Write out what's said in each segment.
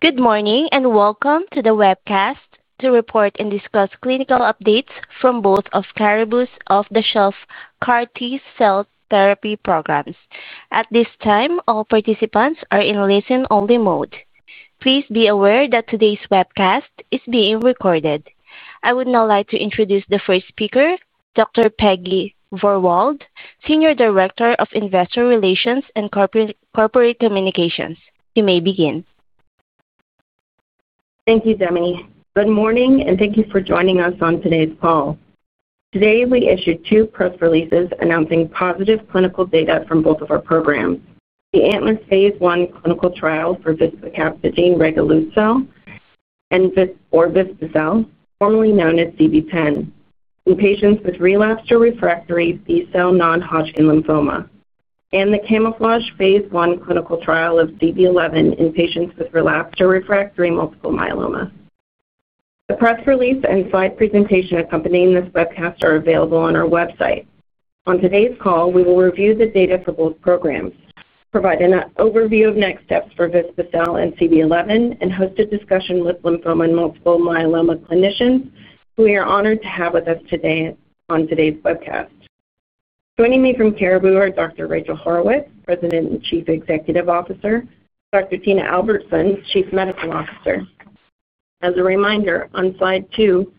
Good morning and welcome to the webcast to report and discuss clinical updates from both of Caribou's off-the-shelf CAR-T cell therapy programs. At this time, all participants are in listen-only mode. Please be aware that today's webcast is being recorded. I would now like to introduce the first speaker, Dr. Peggy Vorwald, Senior Director of Investor Relations and Corporate Communications. You may begin. Thank you, Demini. Good morning, and thank you for joining us on today's call. Today, we issued two press releases announcing positive clinical data from both of our programs: the ANTLER phase I clinical trial for vispacabtagene regedleucel, or vispa-cel, formerly known as CB-010, in patients with relapsed or refractory B-cell non-Hodgkin lymphoma, and the CaMMouflage phase I clinical trial of CB-011 in patients with relapsed or refractory multiple myeloma. The press release and slide presentation accompanying this webcast are available on our website. On today's call, we will review the data for both programs, provide an overview of next steps for vispa-cel and CB-011, and host a discussion with lymphoma and multiple myeloma clinicians who we are honored to have with us today on today's webcast. Joining me from Caribou are Dr. Rachel Haurwitz, President and Chief Executive Officer, and Dr. Tina Albertson, Chief Medical Officer. As a reminder, on slide two,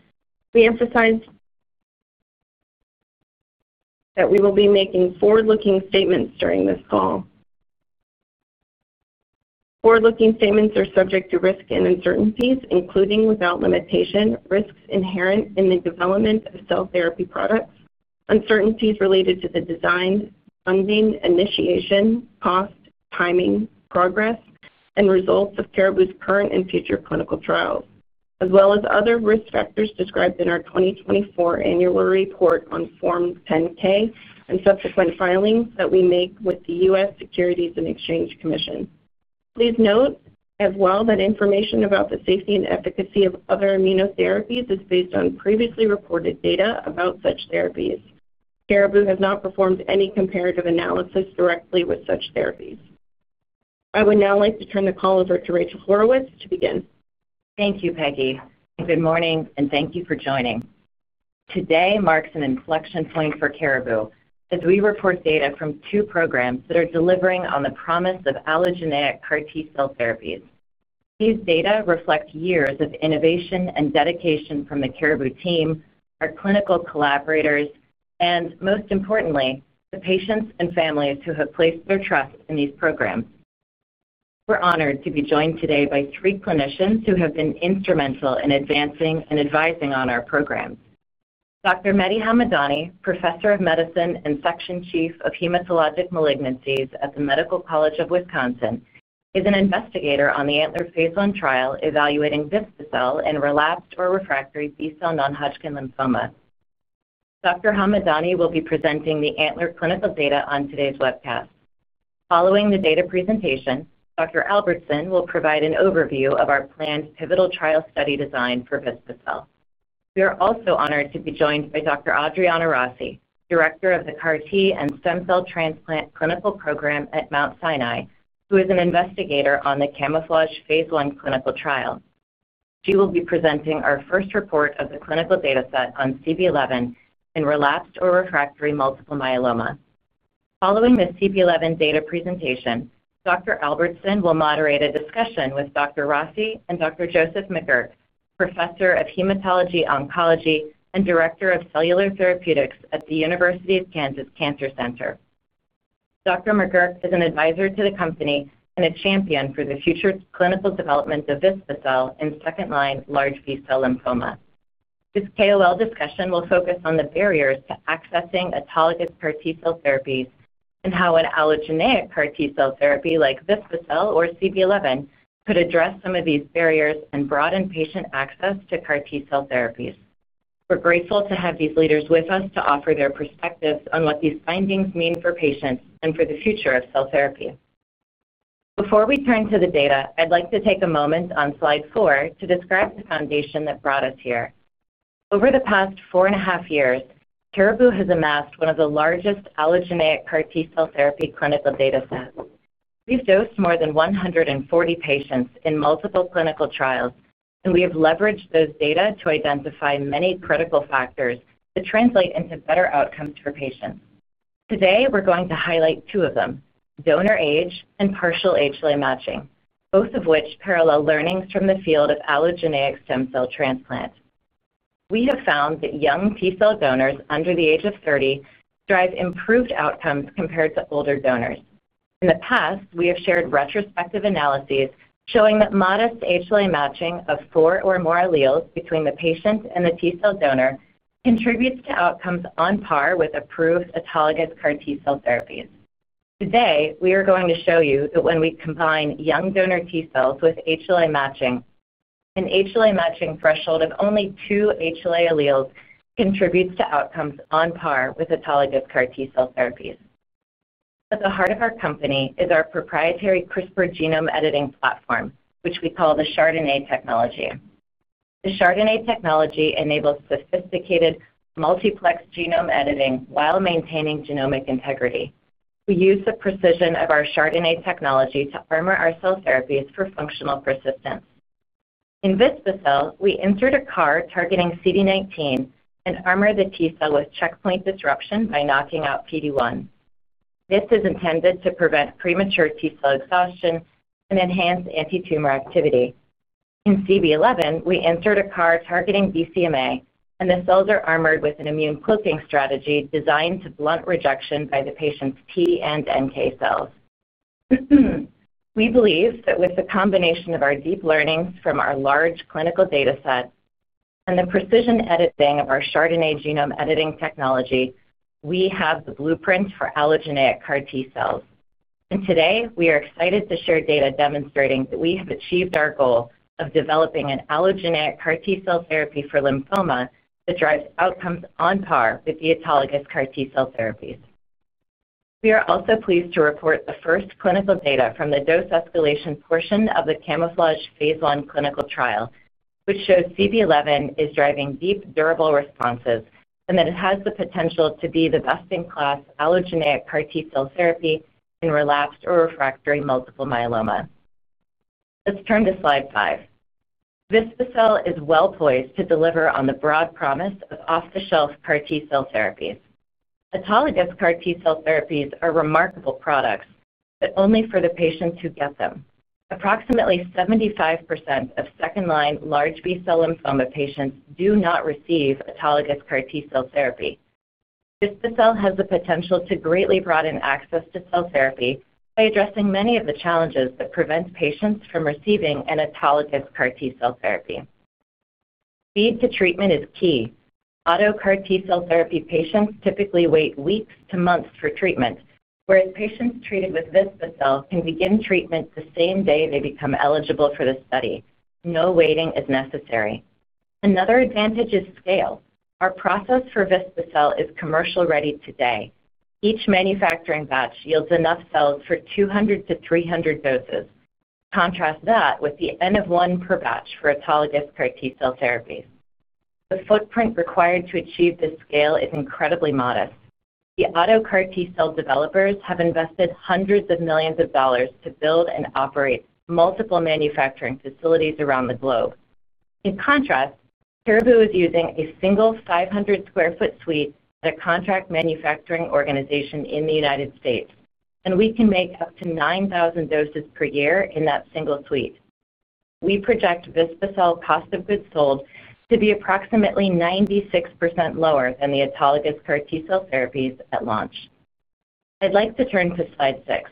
we emphasized that we will be making forward-looking statements during this call. Forward-looking statements are subject to risk and uncertainties, including without limitation, risks inherent in the development of cell therapy products, uncertainties related to the design, funding, initiation, cost, timing, progress, and results of Caribou's current and future clinical trials, as well as other risk factors described in our 2024 annual report on Form 10-K and subsequent filings that we make with the U.S. Securities and Exchange Commission. Please note as well that information about the safety and efficacy of other immunotherapies is based on previously reported data about such therapies. Caribou has not performed any comparative analysis directly with such therapies. I would now like to turn the call over to Rachel Haurwitz to begin. Thank you, Peggy. Good morning, and thank you for joining. Today marks an inflection point for Caribou as we report data from two programs that are delivering on the promise of allogeneic CAR-T cell therapies. These data reflect years of innovation and dedication from the Caribou team, our clinical collaborators, and, most importantly, the patients and families who have placed their trust in these programs. We're honored to be joined today by three clinicians who have been instrumental in advancing and advising on our programs. Dr. Mehdi Hamadani, Professor of Medicine and Section Chief of Hematologic Malignancies at the Medical College of Wisconsin, is an investigator on the ANTLER phase I trial evaluating vispacabtagene regedleucel in relapsed or refractory B-cell non-Hodgkin lymphoma. Dr. Hamadani will be presenting the ANTLER clinical data on today's webcast. Following the data presentation, Dr. Albertson will provide an overview of our planned pivotal trial study design for vispacabtagene regedleucel. We are also honored to be joined by Dr. Adriana Rossi, Director of the CAR-T and Stem Cell Transplant Clinical Program at Mount Sinai, who is an investigator on the CaMMouflage phase I clinical trial. She will be presenting our first report of the clinical data set on CB-011 in relapsed or refractory multiple myeloma. Following the CB-011 data presentation, Dr. Albertson will moderate a discussion with Dr. Rossi and Dr. Joseph McGurk, Professor of Hematology Oncology and Director of Cellular Therapeutics at the University of Kansas Cancer Center. Dr. McGurk is an advisor to the company and a champion for the future clinical development of vispacabtagene regedleucel in second-line large B-cell lymphoma. This KOL discussion will focus on the barriers to accessing autologous CAR-T cell therapies and how an allogeneic CAR-T cell therapy like vispacabtagene regedleucel or CB-011 could address some of these barriers and broaden patient access to CAR-T cell therapies. We're grateful to have these leaders with us to offer their perspectives on what these findings mean for patients and for the future of cell therapy. Before we turn to the data, I'd like to take a moment on slide four to describe the foundation that brought us here. Over the past four and a half years, Caribou has amassed one of the largest allogeneic CAR-T cell therapy clinical data sets. We've dosed more than 140 patients in multiple clinical trials, and we have leveraged those data to identify many critical factors that translate into better outcomes for patients. Today, we're going to highlight two of them: donor age and partial HLA matching, both of which parallel learnings from the field of allogeneic stem cell transplant. We have found that young T-cell donors under the age of 30 drive improved outcomes compared to older donors. In the past, we have shared retrospective analyses showing that modest HLA matching of four or more alleles between the patient and the T-cell donor contributes to outcomes on par with approved autologous CAR-T cell therapies. Today, we are going to show you that when we combine young donor T-cells with HLA matching, an HLA matching threshold of only two HLA alleles contributes to outcomes on par with autologous CAR-T cell therapies. At the heart of our company is our proprietary CRISPR genome editing platform, which we call the chRDNA technology. The chRDNA technology enables sophisticated multiplex genome editing while maintaining genomic integrity. We use the precision of our chRDNA technology to armor our cell therapies for functional persistence. In vispacabtagene regedleucel, we insert a CAR targeting CD19 and armor the T-cell with checkpoint disruption by knocking out PD-1. This is intended to prevent premature T-cell exhaustion and enhance anti-tumor activity. In CB-011, we insert a CAR targeting BCMA, and the cells are armored with an immune cloaking strategy designed to blunt rejection by the patient's T and NK cells. We believe that with the combination of our deep learnings from our large clinical data set and the precision editing of our chRDNA genome editing technology, we have the blueprint for allogeneic CAR-T cells. Today, we are excited to share data demonstrating that we have achieved our goal of developing an allogeneic CAR-T cell therapy for lymphoma that drives outcomes on par with the autologous CAR-T cell therapies. We are also pleased to report the first clinical data from the dose escalation portion of the CaMMouflage phase I clinical trial, which shows CB-011 is driving deep, durable responses and that it has the potential to be the best-in-class allogeneic CAR-T cell therapy in relapsed or refractory multiple myeloma. Let's turn to slide five. vispacabtagene regedleucel is well poised to deliver on the broad promise of off-the-shelf CAR-T cell therapies. Autologous CAR-T cell therapies are remarkable products, but only for the patients who get them. Approximately 75% of second-line large B-cell lymphoma patients do not receive autologous CAR-T cell therapy. vispacabtagene regedleucel has the potential to greatly broaden access to cell therapy by addressing many of the challenges that prevent patients from receiving an autologous CAR-T cell therapy. Speed to treatment is key. Auto-CAR-T cell therapy patients typically wait weeks to months for treatment, whereas patients treated with vispacabtagene regedleucel can begin treatment the same day they become eligible for the study. No waiting is necessary. Another advantage is scale. Our process for vispacabtagene regedleucel is commercial-ready today. Each manufacturing batch yields enough cells for 200-300 doses. Contrast that with the end-of-one per batch for autologous CAR-T cell therapies. The footprint required to achieve this scale is incredibly modest. The auto-CAR-T cell developers have invested hundreds of millions of dollars to build and operate multiple manufacturing facilities around the globe. In contrast, Caribou is using a single 500 sq ft suite at a contract manufacturing organization in the United States, and we can make up to 9,000 doses per year in that single suite. We project vispacabtagene regedleucel cost of goods sold to be approximately 96% lower than the autologous CAR-T cell therapies at launch. I'd like to turn to slide six.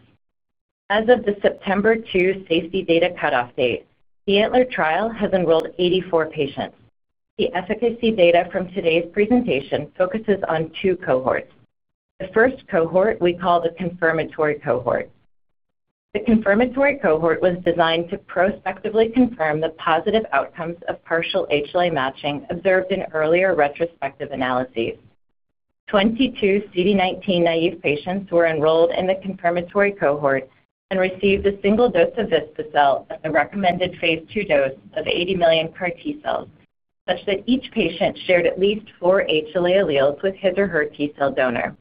As of the September 2 safety data cutoff date, the ANTLER trial has enrolled 84 patients. The efficacy data from today's presentation focuses on two cohorts. The first cohort we call the confirmatory cohort. The confirmatory cohort was designed to prospectively confirm the positive outcomes of partial HLA matching observed in earlier retrospective analyses. Twenty-two CD19 naive patients were enrolled in the confirmatory cohort and received a single dose of vispacabtagene regedleucel at the recommended phase II dose of 80 million CAR-T cells, such that each patient shared at least four HLA alleles with his or her T-cell donor.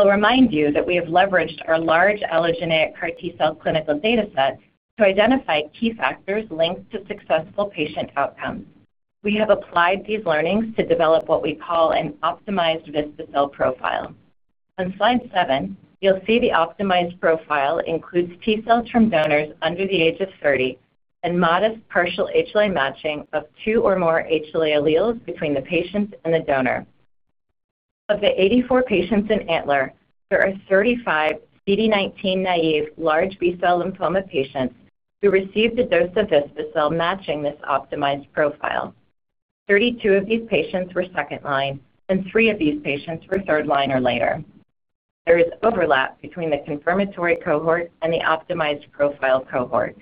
I'll remind you that we have leveraged our large allogeneic CAR-T cell clinical data set to identify key factors linked to successful patient outcomes. We have applied these learnings to develop what we call an optimized vispacabtagene regedleucel profile. On slide seven, you'll see the optimized profile includes T-cells from donors under the age of 30 and modest partial HLA matching of two or more HLA alleles between the patient and the donor. Of the 84 patients in ANTLER, there are 35 CD19 naive large B-cell lymphoma patients who received a dose of vispacabtagene regedleucel matching this optimized profile. Thirty-two of these patients were second line, and three of these patients were third line or later. There is overlap between the confirmatory cohort and the optimized profile cohort.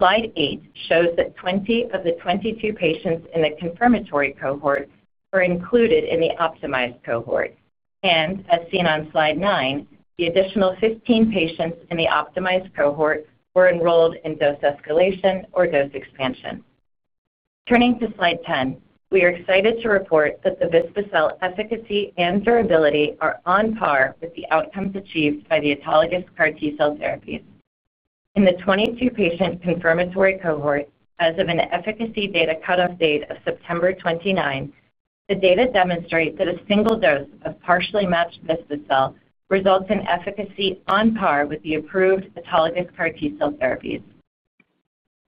Slide eight shows that 20 of the 22 patients in the confirmatory cohort were included in the optimized cohort, and as seen on slide nine, the additional 15 patients in the optimized cohort were enrolled in dose escalation or dose expansion. Turning to slide 10, we are excited to report that the vispacabtagene regedleucel efficacy and durability are on par with the outcomes achieved by the autologous CAR-T cell therapies. In the 22-patient confirmatory cohort, as of an efficacy data cutoff date of September 29, the data demonstrate that a single dose of partially matched vispacabtagene regedleucel results in efficacy on par with the approved autologous CAR-T cell therapies.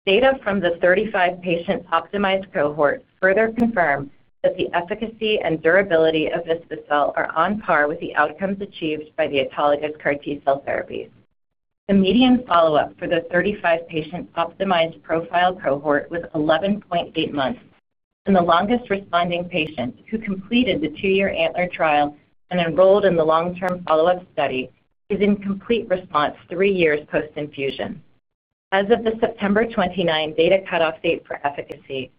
Data from the 35-patient optimized cohort further confirm that the efficacy and durability of vispacabtagene regedleucel are on par with the outcomes achieved by the autologous CAR-T cell therapies. The median follow-up for the 35-patient optimized profile cohort was 11.8 months, and the longest responding patient who completed the two-year ANTLER trial and enrolled in the long-term follow-up study is in complete response three years post-infusion. As of the September 29 data cutoff date for efficacy,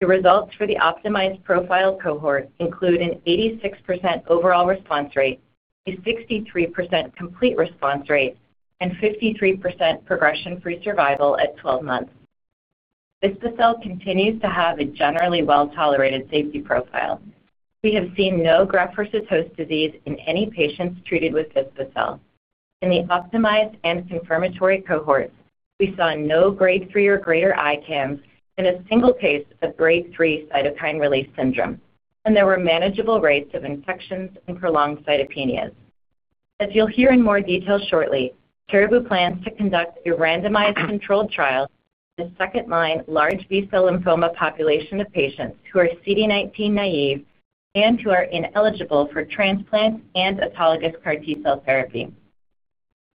the results for the optimized profile cohort include an 86% overall response rate, a 63% complete response rate, and 53% progression-free survival at 12 months. Vispacabtagene regedleucel continues to have a generally well-tolerated safety profile. We have seen no graft versus host disease in any patients treated with vispacabtagene regedleucel. In the optimized and confirmatory cohorts, we saw no grade three or greater ICANS and a single case of grade three cytokine release syndrome, and there were manageable rates of infections and prolonged cytopenias. As you'll hear in more detail shortly, Caribou plans to conduct a randomized controlled trial in the second-line large B-cell lymphoma population of patients who are CD19 naive and who are ineligible for transplant and autologous CAR-T cell therapy.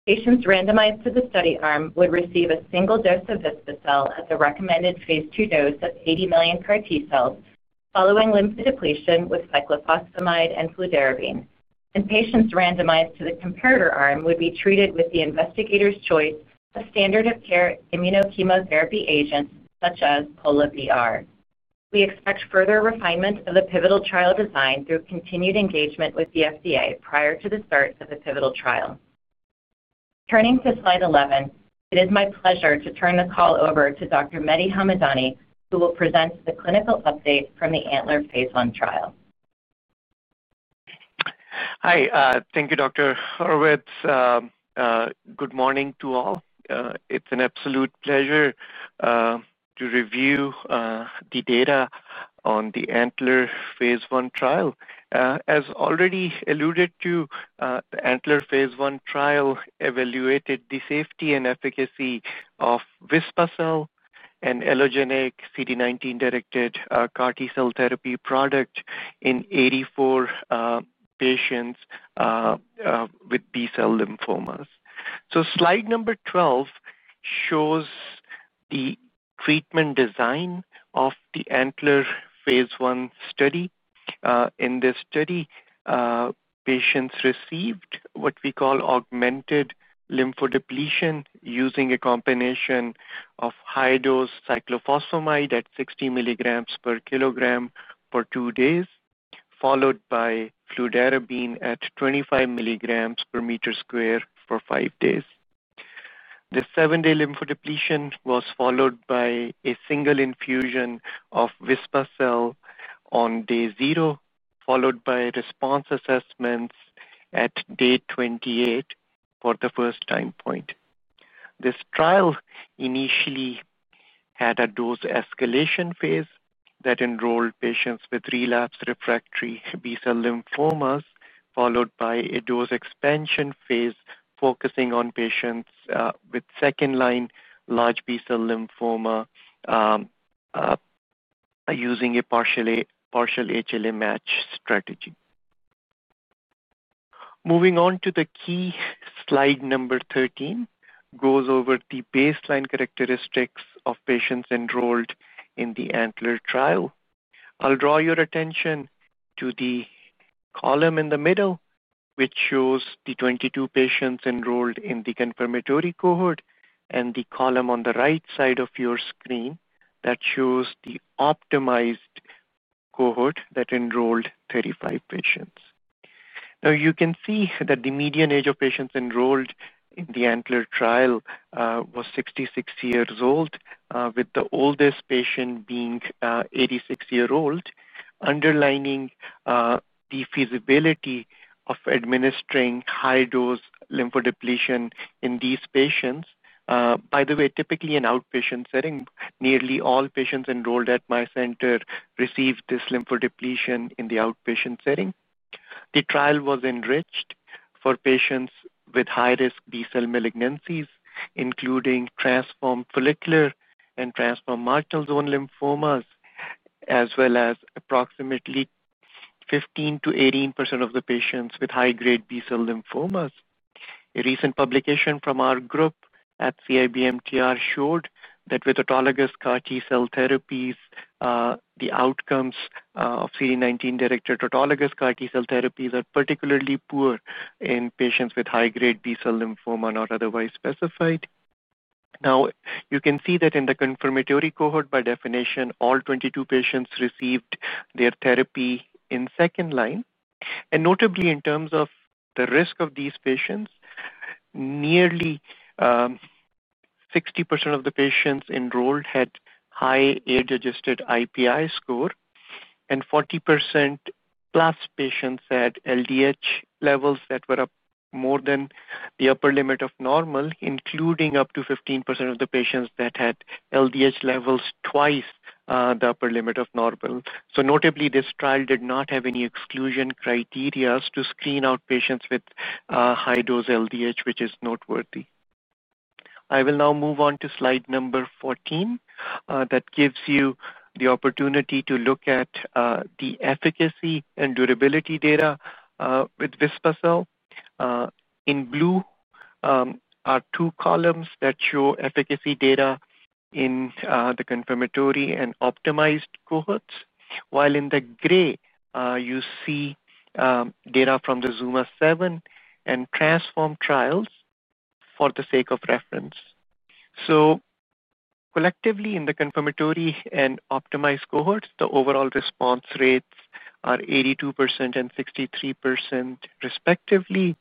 Patients randomized to the study arm would receive a single dose of vispacabtagene regedleucel at the recommended phase II dose of 80 million CAR-T cells following lymphodepletion with cyclophosphamide and fludarabine, and patients randomized to the comparator arm would be treated with the investigator's choice of standard-of-care immunochemotherapy agents such as Polatuzumab vedotin plus bendamustine and rituximab. We expect further refinement of the pivotal trial design through continued engagement with the FDA prior to the start of the pivotal trial. Turning to slide 11, it is my pleasure to turn the call over to Dr. Mehdi Hamadani, who will present the clinical update from the ANTLER phase I trial. Hi. Thank you, Dr. Haurwitz. Good morning to all. It's an absolute pleasure to review the data on the ANTLER phase I trial. As already alluded to, the ANTLER phase I trial evaluated the safety and efficacy of vispacabtagene regedleucel, an allogeneic CD19-directed CAR-T cell therapy product, in 84 patients with B-cell lymphomas. Slide number 12 shows the treatment design of the ANTLER phase I study. In this study, patients received what we call augmented lymphodepletion using a combination of high-dose cyclophosphamide at 60 mg per kilogram for two days, followed by fludarabine at 25 mg per meter squared for five days. The seven-day lymphodepletion was followed by a single infusion of vispacabtagene regedleucel on day zero, followed by response assessments at day 28 for the first time point. This trial initially had a dose escalation phase that enrolled patients with relapsed refractory B-cell lymphomas, followed by a dose expansion phase focusing on patients with second-line large B-cell lymphoma using a partial HLA match strategy. Moving on to the key slide number 13, it goes over the baseline characteristics of patients enrolled in the ANTLER trial. I'll draw your attention to the column in the middle, which shows the 22 patients enrolled in the confirmatory cohort, and the column on the right side of your screen that shows the optimized cohort that enrolled 35 patients. Now, you can see that the median age of patients enrolled in the ANTLER trial was 66 years old, with the oldest patient being 86 years old, underlining the feasibility of administering high-dose lymphodepletion in these patients. By the way, typically in outpatient settings, nearly all patients enrolled at my center received this lymphodepletion in the outpatient setting. The trial was enriched for patients with high-risk B-cell malignancies, including transformed follicular and transformed marginal zone lymphomas, as well as approximately 15%-18% of the patients with high-grade B-cell lymphomas. A recent publication from our group at CIBMTR showed that with autologous CAR-T cell therapies, the outcomes of CD19-directed autologous CAR-T cell therapies are particularly poor in patients with high-grade B-cell lymphoma not otherwise specified. Now, you can see that in the confirmatory cohort, by definition, all 22 patients received their therapy in second line. Notably, in terms of the risk of these patients, nearly 60% of the patients enrolled had high ADE-adjusted IPI score, and 40%+ patients had LDH levels that were up more than the upper limit of normal, including up to 15% of the patients that had LDH levels twice the upper limit of normal. Notably, this trial did not have any exclusion criteria to screen out patients with high-dose LDH, which is noteworthy. I will now move on to slide number 14. That gives you the opportunity to look at the efficacy and durability data. With Visticel. In blue are two columns that show efficacy data in the confirmatory and optimized cohorts, while in the gray you see data from the Zuma 7 and TRANSFORM trials for the sake of reference. Collectively, in the confirmatory and optimized cohorts, the overall response rates are 82% and 63% respectively.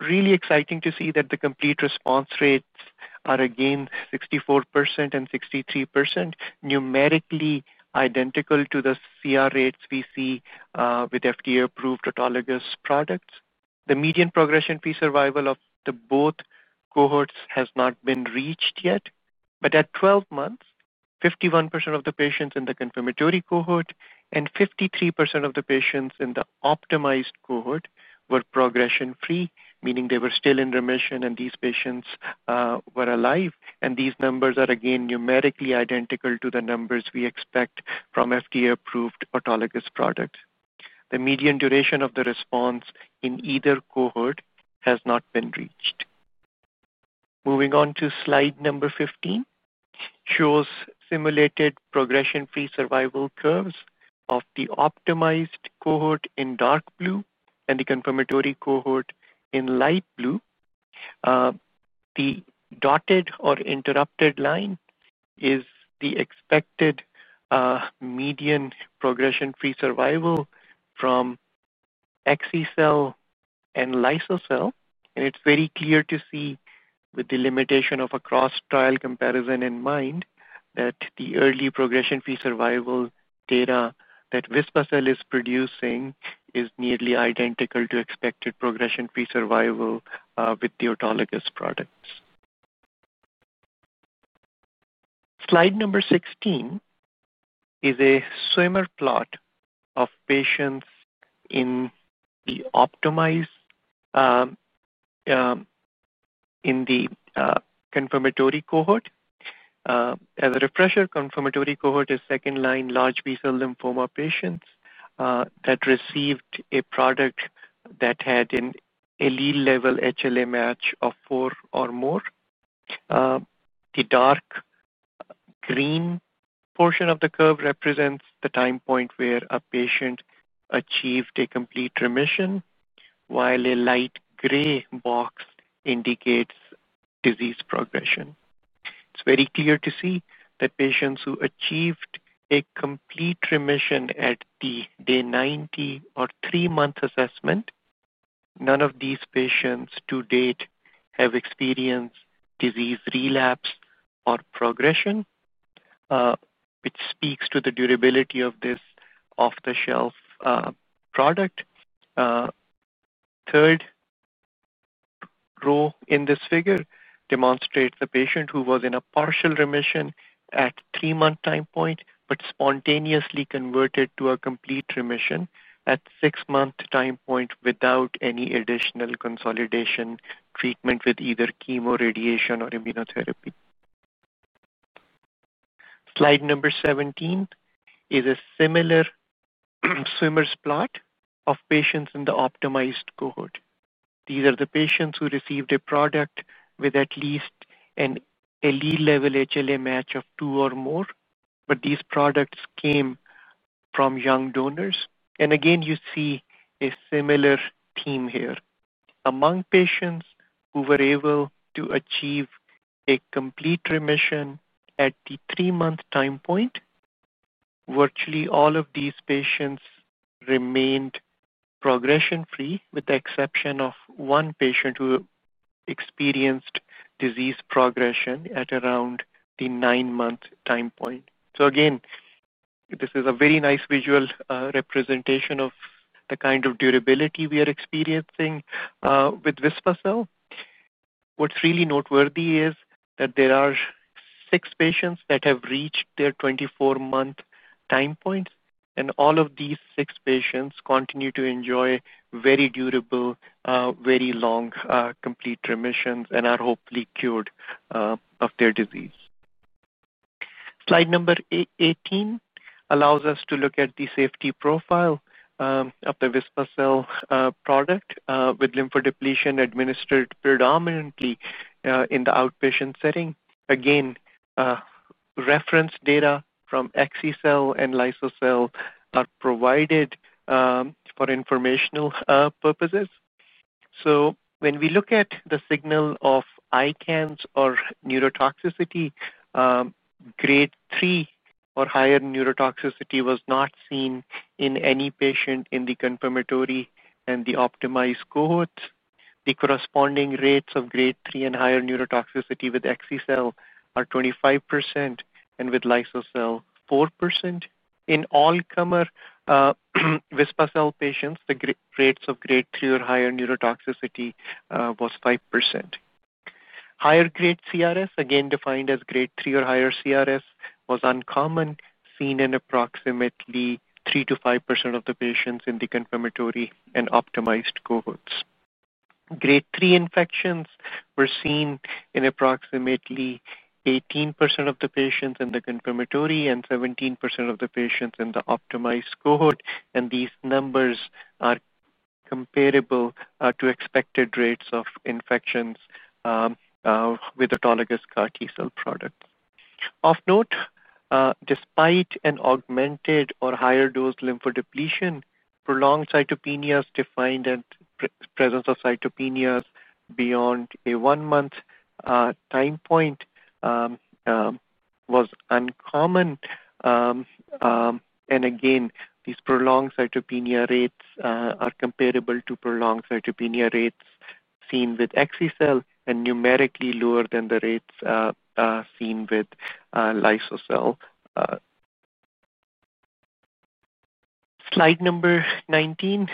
Really exciting to see that the complete response rates are again 64% and 63%, numerically identical to the CR rates we see with FDA-approved autologous products. The median progression-free survival of both cohorts has not been reached yet, but at 12 months, 51% of the patients in the confirmatory cohort and 53% of the patients in the optimized cohort were progression-free, meaning they were still in remission, and these patients were alive. These numbers are again numerically identical to the numbers we expect from FDA-approved autologous products. The median duration of the response in either cohort has not been reached. Moving on to slide number 15. Shows simulated progression-free survival curves of the optimized cohort in dark blue and the confirmatory cohort in light blue. The dotted or interrupted line is the expected median progression-free survival from axi-cel and liso-cel, and it's very clear to see, with the limitation of a cross-trial comparison in mind, that the early progression-free survival data that Visticel is producing is nearly identical to expected progression-free survival with the autologous products. Slide number 16 is a swimmer plot of patients in the optimized and in the confirmatory cohort. As a refresher, the confirmatory cohort is second-line large B-cell lymphoma patients that received a product that had an allele-level HLA match of four or more. The dark green portion of the curve represents the time point where a patient achieved a complete remission, while a light gray box indicates disease progression. It's very clear to see that patients who achieved a complete remission at the day 90 or three-month assessment, none of these patients to date have experienced disease relapse or progression, which speaks to the durability of this off-the-shelf product. Third row in this figure demonstrates a patient who was in a partial remission at three-month time point but spontaneously converted to a complete remission at six-month time point without any additional consolidation treatment with either chemo, radiation, or immunotherapy. Slide number 17 is a similar swimmer's plot of patients in the optimized cohort. These are the patients who received a product with at least an allele-level HLA match of two or more, but these products came from young donors. Again, you see a similar theme here. Among patients who were able to achieve a complete remission at the three-month time point, virtually all of these patients remained progression-free, with the exception of one patient who experienced disease progression at around the nine-month time point. This is a very nice visual representation of the kind of durability we are experiencing with vispacabtagene regedleucel. What's really noteworthy is that there are six patients that have reached their 24-month time point, and all of these six patients continue to enjoy very durable, very long complete remissions and are hopefully cured of their disease. Slide number 18 allows us to look at the safety profile of the vispacabtagene regedleucel product with lymphodepletion administered predominantly in the outpatient setting. Again, reference data from axi-cel and liso-cel are provided for informational purposes. When we look at the signal of ICANS or neurotoxicity, grade three or higher neurotoxicity was not seen in any patient in the confirmatory and the optimized cohorts. The corresponding rates of grade three and higher neurotoxicity with axi-cel are 25% and with liso-cel 4%. In all cumulative vispacabtagene regedleucel patients, the rates of grade three or higher neurotoxicity was 5%. Higher grade CRS, again defined as grade three or higher CRS, was uncommon, seen in approximately 3%-5% of the patients in the confirmatory and optimized cohorts. Grade three infections were seen in approximately 18% of the patients in the confirmatory and 17% of the patients in the optimized cohort, and these numbers are comparable to expected rates of infections with autologous CAR-T cell products. Of note, despite an augmented or higher-dose lymphodepletion, prolonged cytopenias defined as presence of cytopenias beyond a one-month time point was uncommon. These prolonged cytopenia rates are comparable to prolonged cytopenia rates seen with axi-cel and numerically lower than the rates seen with liso-cel. Slide number 19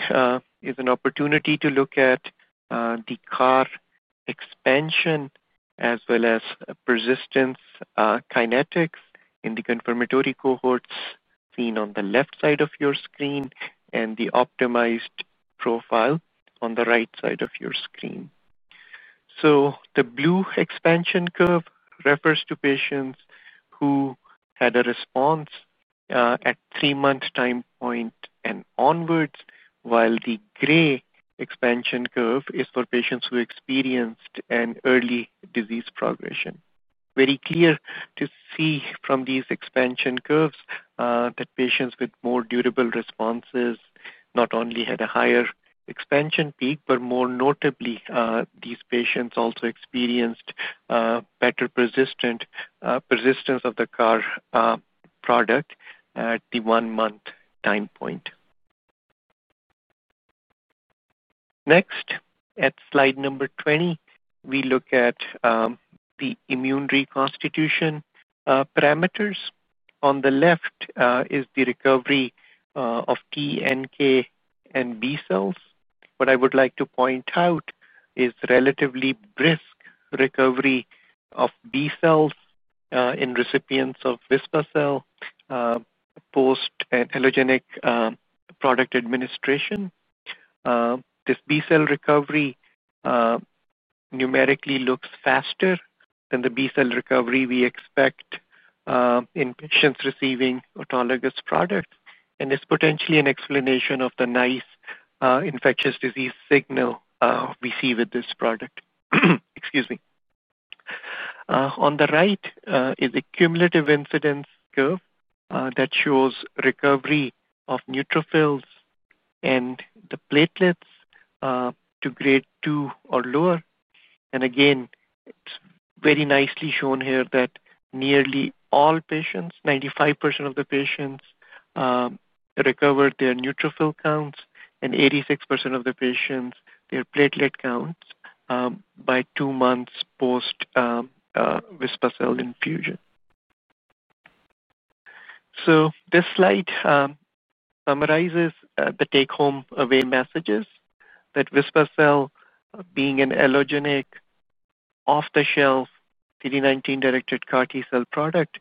is an opportunity to look at the CAR expansion as well as persistence kinetics in the confirmatory cohorts seen on the left side of your screen and the optimized profile on the right side of your screen. The blue expansion curve refers to patients who had a response at three-month time point and onwards, while the gray expansion curve is for patients who experienced an early disease progression. It is very clear to see from these expansion curves that patients with more durable responses not only had a higher expansion peak, but more notably, these patients also experienced better persistence of the CAR product at the one-month time point. Next, at slide number 20, we look at the immune reconstitution parameters. On the left is the recovery of T, NK, and B cells. What I would like to point out is the relatively brisk recovery of B cells in recipients of vispacabtagene regedleucel. Post an allogeneic product administration, this B cell recovery numerically looks faster than the B cell recovery we expect in patients receiving autologous products, and it's potentially an explanation of the nice infectious disease signal we see with this product. On the right is a cumulative incidence curve that shows recovery of neutrophils and the platelets to grade two or lower. Again, it's very nicely shown here that nearly all patients, 95% of the patients, recovered their neutrophil counts and 86% of the patients, their platelet counts by two months post vispacabtagene regedleucel infusion. This slide summarizes the take-home away messages that vispacabtagene regedleucel, being an allogeneic off-the-shelf CD19-directed CAR-T cell product,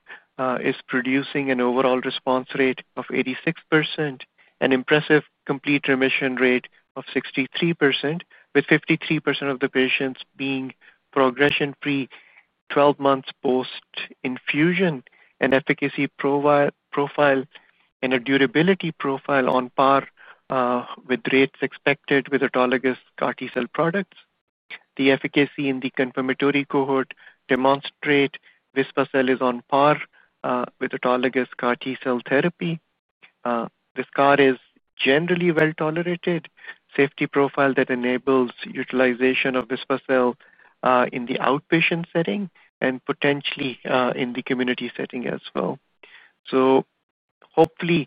is producing an overall response rate of 86%, an impressive complete remission rate of 63%, with 53% of the patients being progression-free 12 months post infusion, and efficacy profile and a durability profile on par with rates expected with autologous CAR-T cell products. The efficacy in the confirmatory cohort demonstrates vispacabtagene regedleucel is on par with autologous CAR-T cell therapy. This CAR is generally well tolerated, a safety profile that enables utilization of vispacabtagene regedleucel in the outpatient setting and potentially in the community setting as well. Hopefully,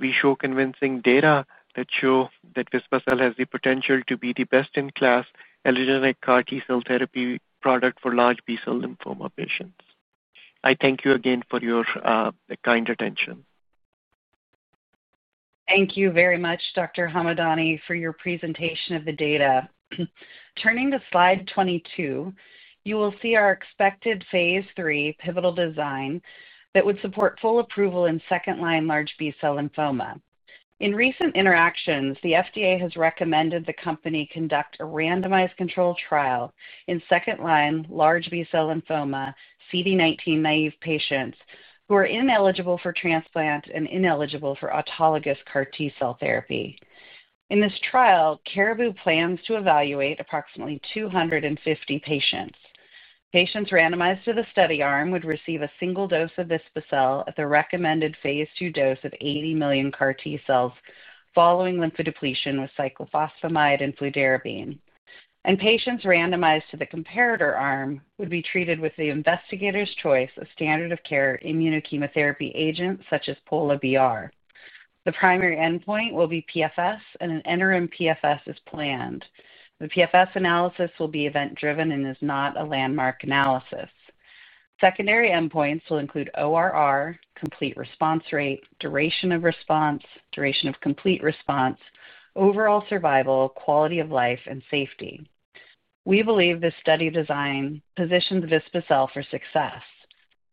we show convincing data that show that vispacabtagene regedleucel has the potential to be the best-in-class allogeneic CAR-T cell therapy product for large B-cell lymphoma patients. I thank you again for your kind attention. Thank you very much, Dr. Hamadani, for your presentation of the data. Turning to slide 22, you will see our expected phase III pivotal design that would support full approval in second-line large B-cell lymphoma. In recent interactions, the FDA has recommended the company conduct a randomized control trial in second-line large B-cell lymphoma CD19 naive patients who are ineligible for transplant and ineligible for autologous CAR-T cell therapy. In this trial, Caribou plans to evaluate approximately 250 patients. Patients randomized to the study arm would receive a single dose of vispacabtagene regedleucel at the recommended phase II dose of 80 million CAR-T cells following lymphodepletion with cyclophosphamide and fludarabine. Patients randomized to the comparator arm would be treated with the investigator's choice of standard-of-care immunochemotherapy agents such as Polatuzumab vedotin plus bendamustine and rituximab. The primary endpoint will be PFS, and an interim PFS is planned. The PFS analysis will be event-driven and is not a landmark analysis. Secondary endpoints will include ORR, complete response rate, duration of response, duration of complete response, overall survival, quality of life, and safety. We believe this study design positions vispacabtagene regedleucel for success.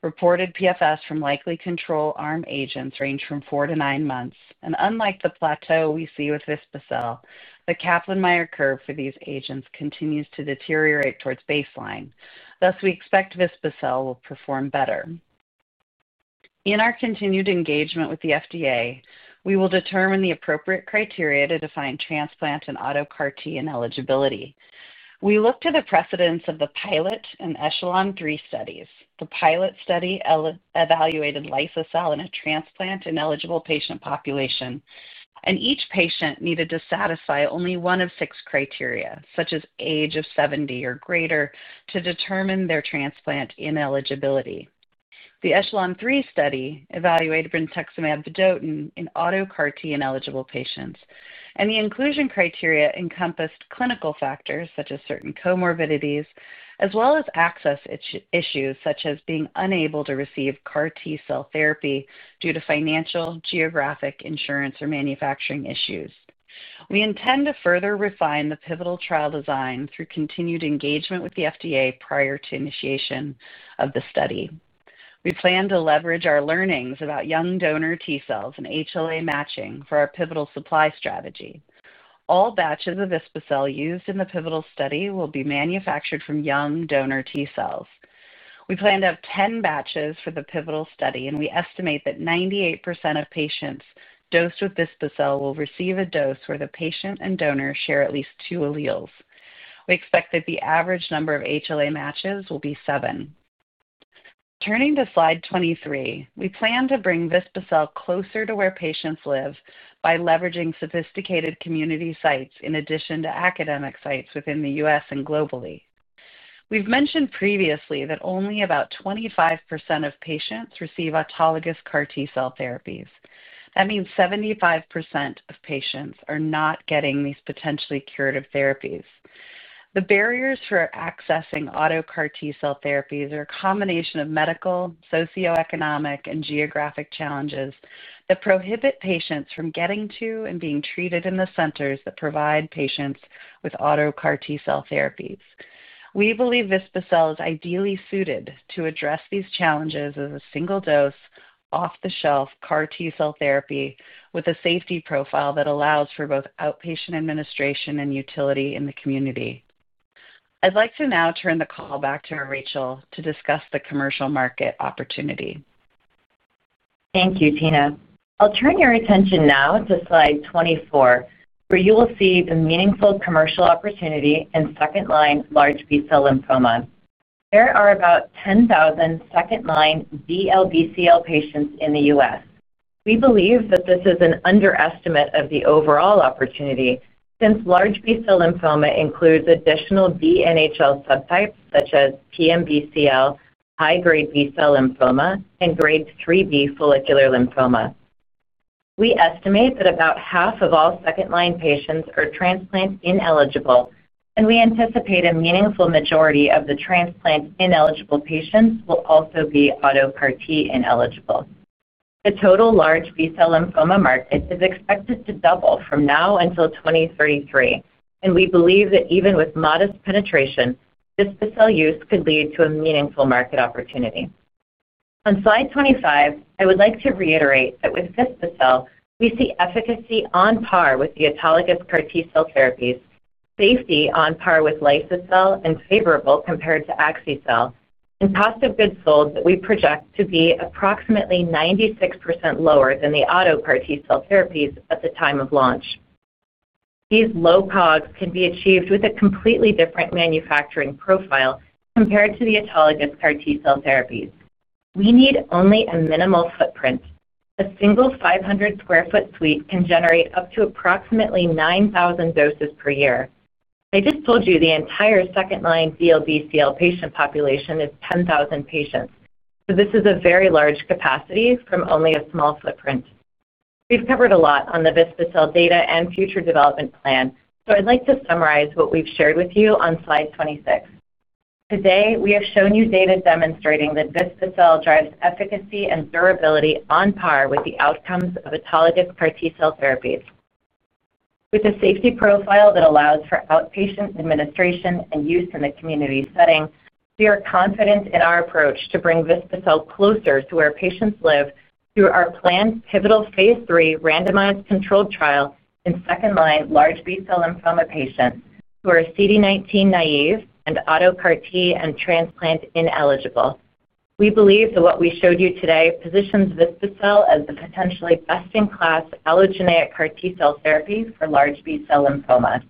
Reported PFS from likely control arm agents range from four to nine months. Unlike the plateau we see with vispacabtagene regedleucel, the Kaplan-Meier curve for these agents continues to deteriorate towards baseline. Thus, we expect vispacabtagene regedleucel will perform better. In our continued engagement with the FDA, we will determine the appropriate criteria to define transplant and auto CAR-T ineligibility. We look to the precedents of the PILOT and ECHELON-3 studies. The PILOT study evaluated liso-cel in a transplant-ineligible patient population, and each patient needed to satisfy only one of six criteria, such as age of 70 or greater, to determine their transplant ineligibility. The ECHELON-3 study evaluated brentuximab vedotin in auto CAR-T ineligible patients, and the inclusion criteria encompassed clinical factors such as certain comorbidities as well as access issues such as being unable to receive CAR-T cell therapy due to financial, geographic, insurance, or manufacturing issues. We intend to further refine the pivotal trial design through continued engagement with the FDA prior to initiation of the study. We plan to leverage our learnings about young donor T cells and HLA matching for our pivotal supply strategy. All batches of vispacabtagene regedleucel used in the pivotal study will be manufactured from young donor T cells. We plan to have 10 batches for the pivotal study, and we estimate that 98% of patients dosed with vispacabtagene regedleucel will receive a dose where the patient and donor share at least two alleles. We expect that the average number of HLA matches will be seven. Turning to slide 23, we plan to bring vispacabtagene regedleucel closer to where patients live by leveraging sophisticated community sites in addition to academic sites within the US and globally. We've mentioned previously that only about 25% of patients receive autologous CAR-T cell therapies. That means 75% of patients are not getting these potentially curative therapies. The barriers for accessing auto CAR-T cell therapies are a combination of medical, socioeconomic, and geographic challenges that prohibit patients from getting to and being treated in the centers that provide patients with auto CAR-T cell therapies. We believe vispacabtagene regedleucel is ideally suited to address these challenges as a single-dose, off-the-shelf CAR-T cell therapy with a safety profile that allows for both outpatient administration and utility in the community. I'd like to now turn the call back to Rachel to discuss the commercial market opportunity. Thank you, Tina. I'll turn your attention now to slide 24, where you will see the meaningful commercial opportunity in second-line large B-cell lymphoma. There are about 10,000 second-line LBCL patients in the US. We believe that this is an underestimate of the overall opportunity since large B-cell lymphoma includes additional BNHL subtypes such as PMBCL, high-grade B-cell lymphoma, and grade 3B follicular lymphoma. We estimate that about half of all second-line patients are transplant-ineligible, and we anticipate a meaningful majority of the transplant-ineligible patients will also be auto CAR-T ineligible. The total large B-cell lymphoma market is expected to double from now until 2033, and we believe that even with modest penetration, vispacabtagene regedleucel use could lead to a meaningful market opportunity. On slide 25, I would like to reiterate that with vispacabtagene regedleucel, we see efficacy on par with the autologous CAR-T cell therapies, safety on par with liso-cel, and favorable compared to axi-cel, and cost of goods sold that we project to be approximately 96% lower than the auto CAR-T cell therapies at the time of launch. These low COGS can be achieved with a completely different manufacturing profile compared to the autologous CAR-T cell therapies. We need only a minimal footprint. A single 500 sq ft suite can generate up to approximately 9,000 doses per year. I just told you the entire second-line LBCL patient population is 10,000 patients, so this is a very large capacity from only a small footprint. We've covered a lot on the vispacabtagene regedleucel data and future development plan, so I'd like to summarize what we've shared with you on slide 26. Today, we have shown you data demonstrating that vispacabtagene regedleucel drives efficacy and durability on par with the outcomes of autologous CAR-T cell therapies. With a safety profile that allows for outpatient administration and use in the community setting, we are confident in our approach to bring vispacabtagene regedleucel closer to where patients live through our planned pivotal phase III randomized control trial in second-line large B-cell lymphoma patients who are CD19 naive and auto CAR-T and transplant-ineligible. We believe that what we showed you today positions vispacabtagene regedleucel as the potentially best-in-class allogeneic CAR-T cell therapy for large B-cell lymphoma.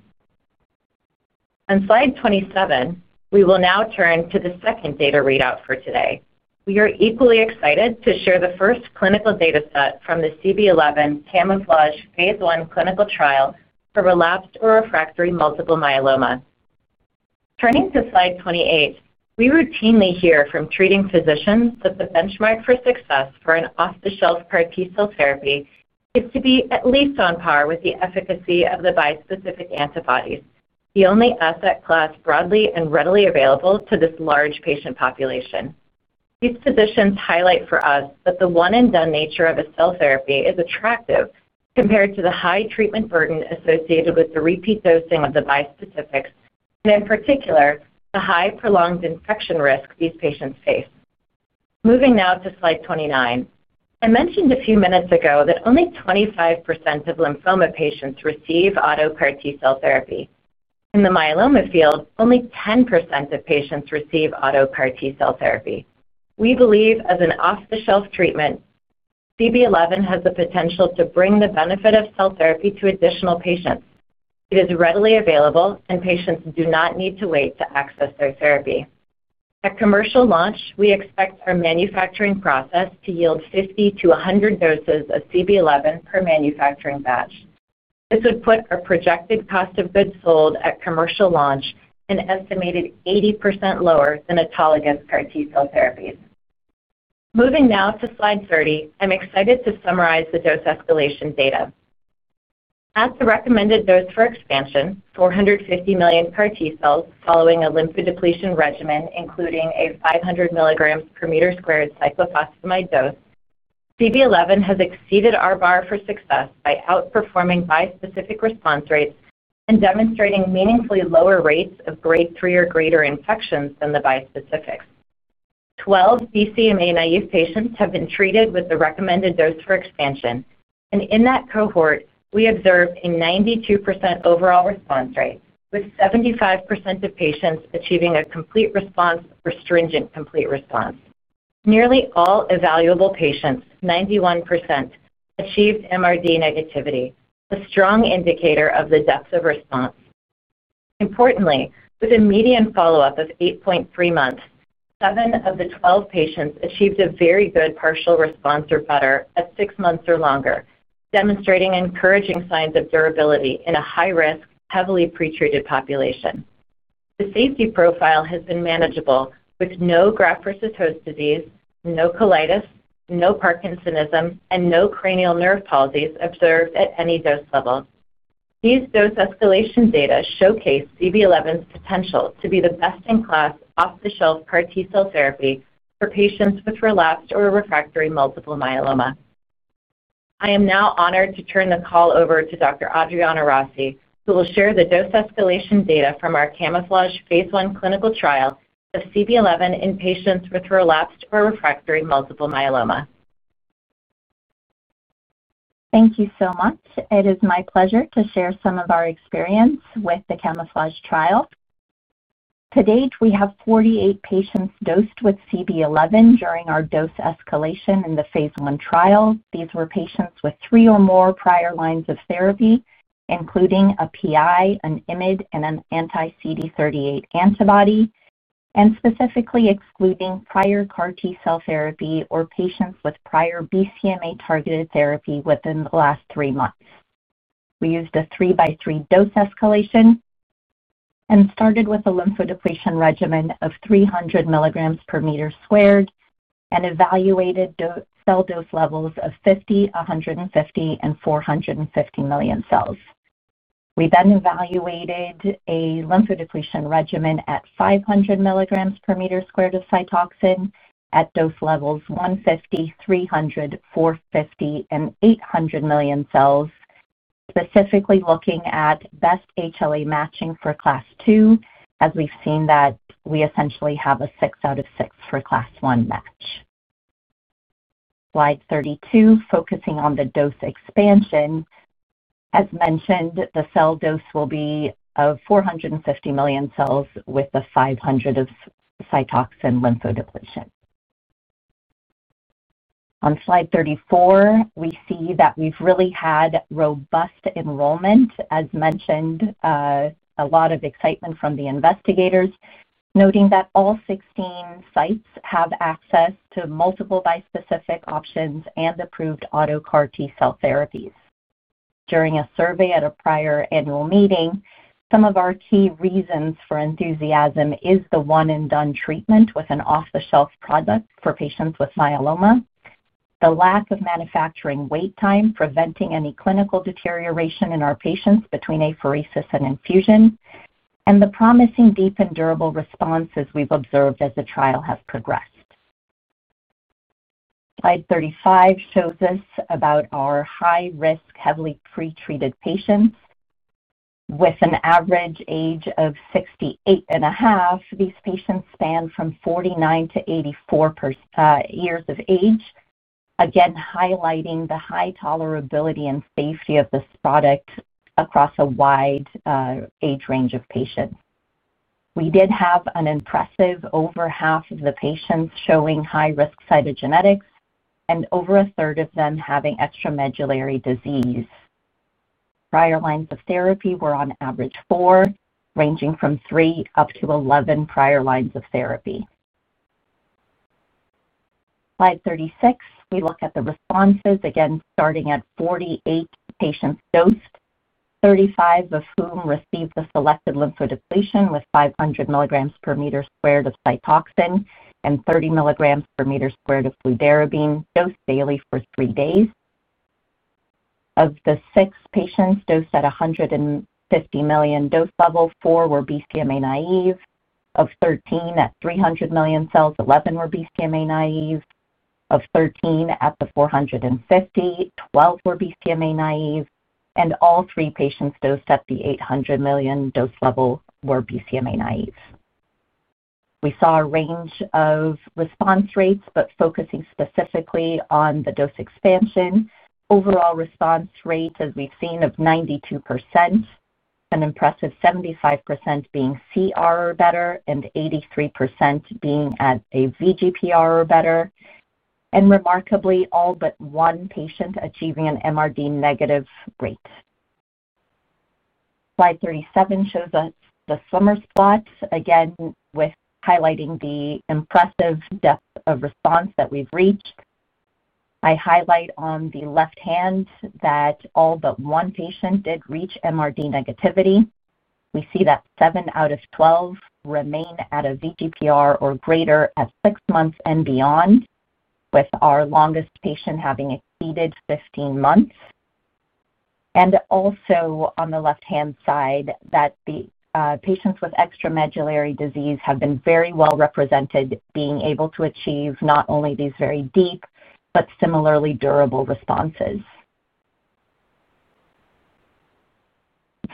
On slide 27, we will now turn to the second data readout for today. We are equally excited to share the first clinical data set from the CB-011 CaMMouflage phase I clinical trial for relapsed or refractory multiple myeloma. Turning to slide 28, we routinely hear from treating physicians that the benchmark for success for an off-the-shelf CAR-T cell therapy is to be at least on par with the efficacy of the bispecific antibodies, the only asset class broadly and readily available to this large patient population. These positions highlight for us that the one-and-done nature of a cell therapy is attractive compared to the high treatment burden associated with the repeat dosing of the bispecifics, and in particular, the high prolonged infection risk these patients face. Moving now to slide 29, I mentioned a few minutes ago that only 25% of lymphoma patients receive auto CAR-T cell therapy. In the myeloma field, only 10% of patients receive auto CAR-T cell therapy. We believe as an off-the-shelf treatment, CB-011 has the potential to bring the benefit of cell therapy to additional patients. It is readily available, and patients do not need to wait to access their therapy. At commercial launch, we expect our manufacturing process to yield 50-100 doses of CB-011 per manufacturing batch. This would put our projected cost of goods sold at commercial launch an estimated 80% lower than autologous CAR-T cell therapies. Moving now to slide 30, I'm excited to summarize the dose escalation data. At the recommended dose for expansion, 450 million CAR-T cells following a lymphodepletion regimen, including a 500 mg per meter squared cyclophosphamide dose, CB-011 has exceeded our bar for success by outperforming bispecific response rates and demonstrating meaningfully lower rates of grade three or greater infections than the bispecifics. Twelve BCMA naive patients have been treated with the recommended dose for expansion, and in that cohort, we observed a 92% overall response rate, with 75% of patients achieving a complete response or stringent complete response. Nearly all evaluable patients, 91%, achieved MRD negativity, a strong indicator of the depth of response. Importantly, with a median follow-up of 8.3 months, seven of the twelve patients achieved a very good partial response or better at six months or longer, demonstrating encouraging signs of durability in a high-risk, heavily pretreated population. The safety profile has been manageable, with no graft versus host disease, no colitis, no Parkinsonism, and no cranial nerve palsy observed at any dose level. These dose escalation data showcase CB-011's potential to be the best-in-class off-the-shelf CAR-T cell therapy for patients with relapsed or refractory multiple myeloma. I am now honored to turn the call over to Dr. Adriana Rossi, who will share the dose escalation data from our CaMMouflage phase I clinical trial of CB-011 in patients with relapsed or refractory multiple myeloma. Thank you so much. It is my pleasure to share some of our experience with the CaMMouflage trial. To date, we have 48 patients dosed with CB-011 during our dose escalation in the phase I trial. These were patients with three or more prior lines of therapy, including a PI, an IMID, and an anti-CD38 antibody, and specifically excluding prior CAR-T cell therapy or patients with prior BCMA-targeted therapy within the last three months. We used a three-by-three dose escalation. We started with a lymphodepletion regimen of 300 mg per meter squared and evaluated cell dose levels of 50, 150, and 450 million cells. We then evaluated a lymphodepletion regimen at 500 mg per meter squared of Cytoxan at dose levels 150, 300, 450, and 800 million cells, specifically looking at best HLA matching for class two, as we've seen that we essentially have a six out of six for class one match. Slide 32, focusing on the dose expansion. As mentioned, the cell dose will be of 450 million cells with a 500 of Cytoxan lymphodepletion. On slide 34, we see that we've really had robust enrollment. As mentioned, a lot of excitement from the investigators, noting that all 16 sites have access to multiple bispecific options and approved auto CAR-T cell therapies. During a survey at a prior annual meeting, some of our key reasons for enthusiasm are the one-and-done treatment with an off-the-shelf product for patients with myeloma, the lack of manufacturing wait time preventing any clinical deterioration in our patients between apheresis and infusion, and the promising deep and durable responses we've observed as the trial has progressed. Slide 35 shows us about our high-risk, heavily pretreated patients. With an average age of 68 and a half, these patients span from 49 to 84 years of age, again highlighting the high tolerability and safety of this product across a wide age range of patients. We did have an impressive over half of the patients showing high-risk cytogenetics, and over a third of them having extramedullary disease. Prior lines of therapy were on average four, ranging from three up to 11 prior lines of therapy. Slide 36, we look at the responses, again starting at 48 patients dosed, 35 of whom received the selected lymphodepletion with 500 mg per meter squared of Cytoxan and 30 mg per meter squared of fludarabine dosed daily for three days. Of the six patients dosed at 150 million dose level, four were BCMA naive. Of 13 at 300 million cells, 11 were BCMA naive. Of 13 at the 450, 12 were BCMA naive, and all three patients dosed at the 800 million dose level were BCMA naive. We saw a range of response rates, but focusing specifically on the dose expansion, overall response rate, as we've seen, of 92%. An impressive 75% being CR or better, and 83% being at a VGPR or better. Remarkably, all but one patient achieving an MRD negative rate. Slide 37 shows us the summer spot, again highlighting the impressive depth of response that we've reached. I highlight on the left hand that all but one patient did reach MRD negativity. We see that 7 out of 12 remain at a VGPR or greater at six months and beyond, with our longest patient having exceeded 15 months. Also on the left-hand side, the patients with extramedullary disease have been very well represented, being able to achieve not only these very deep, but similarly durable responses.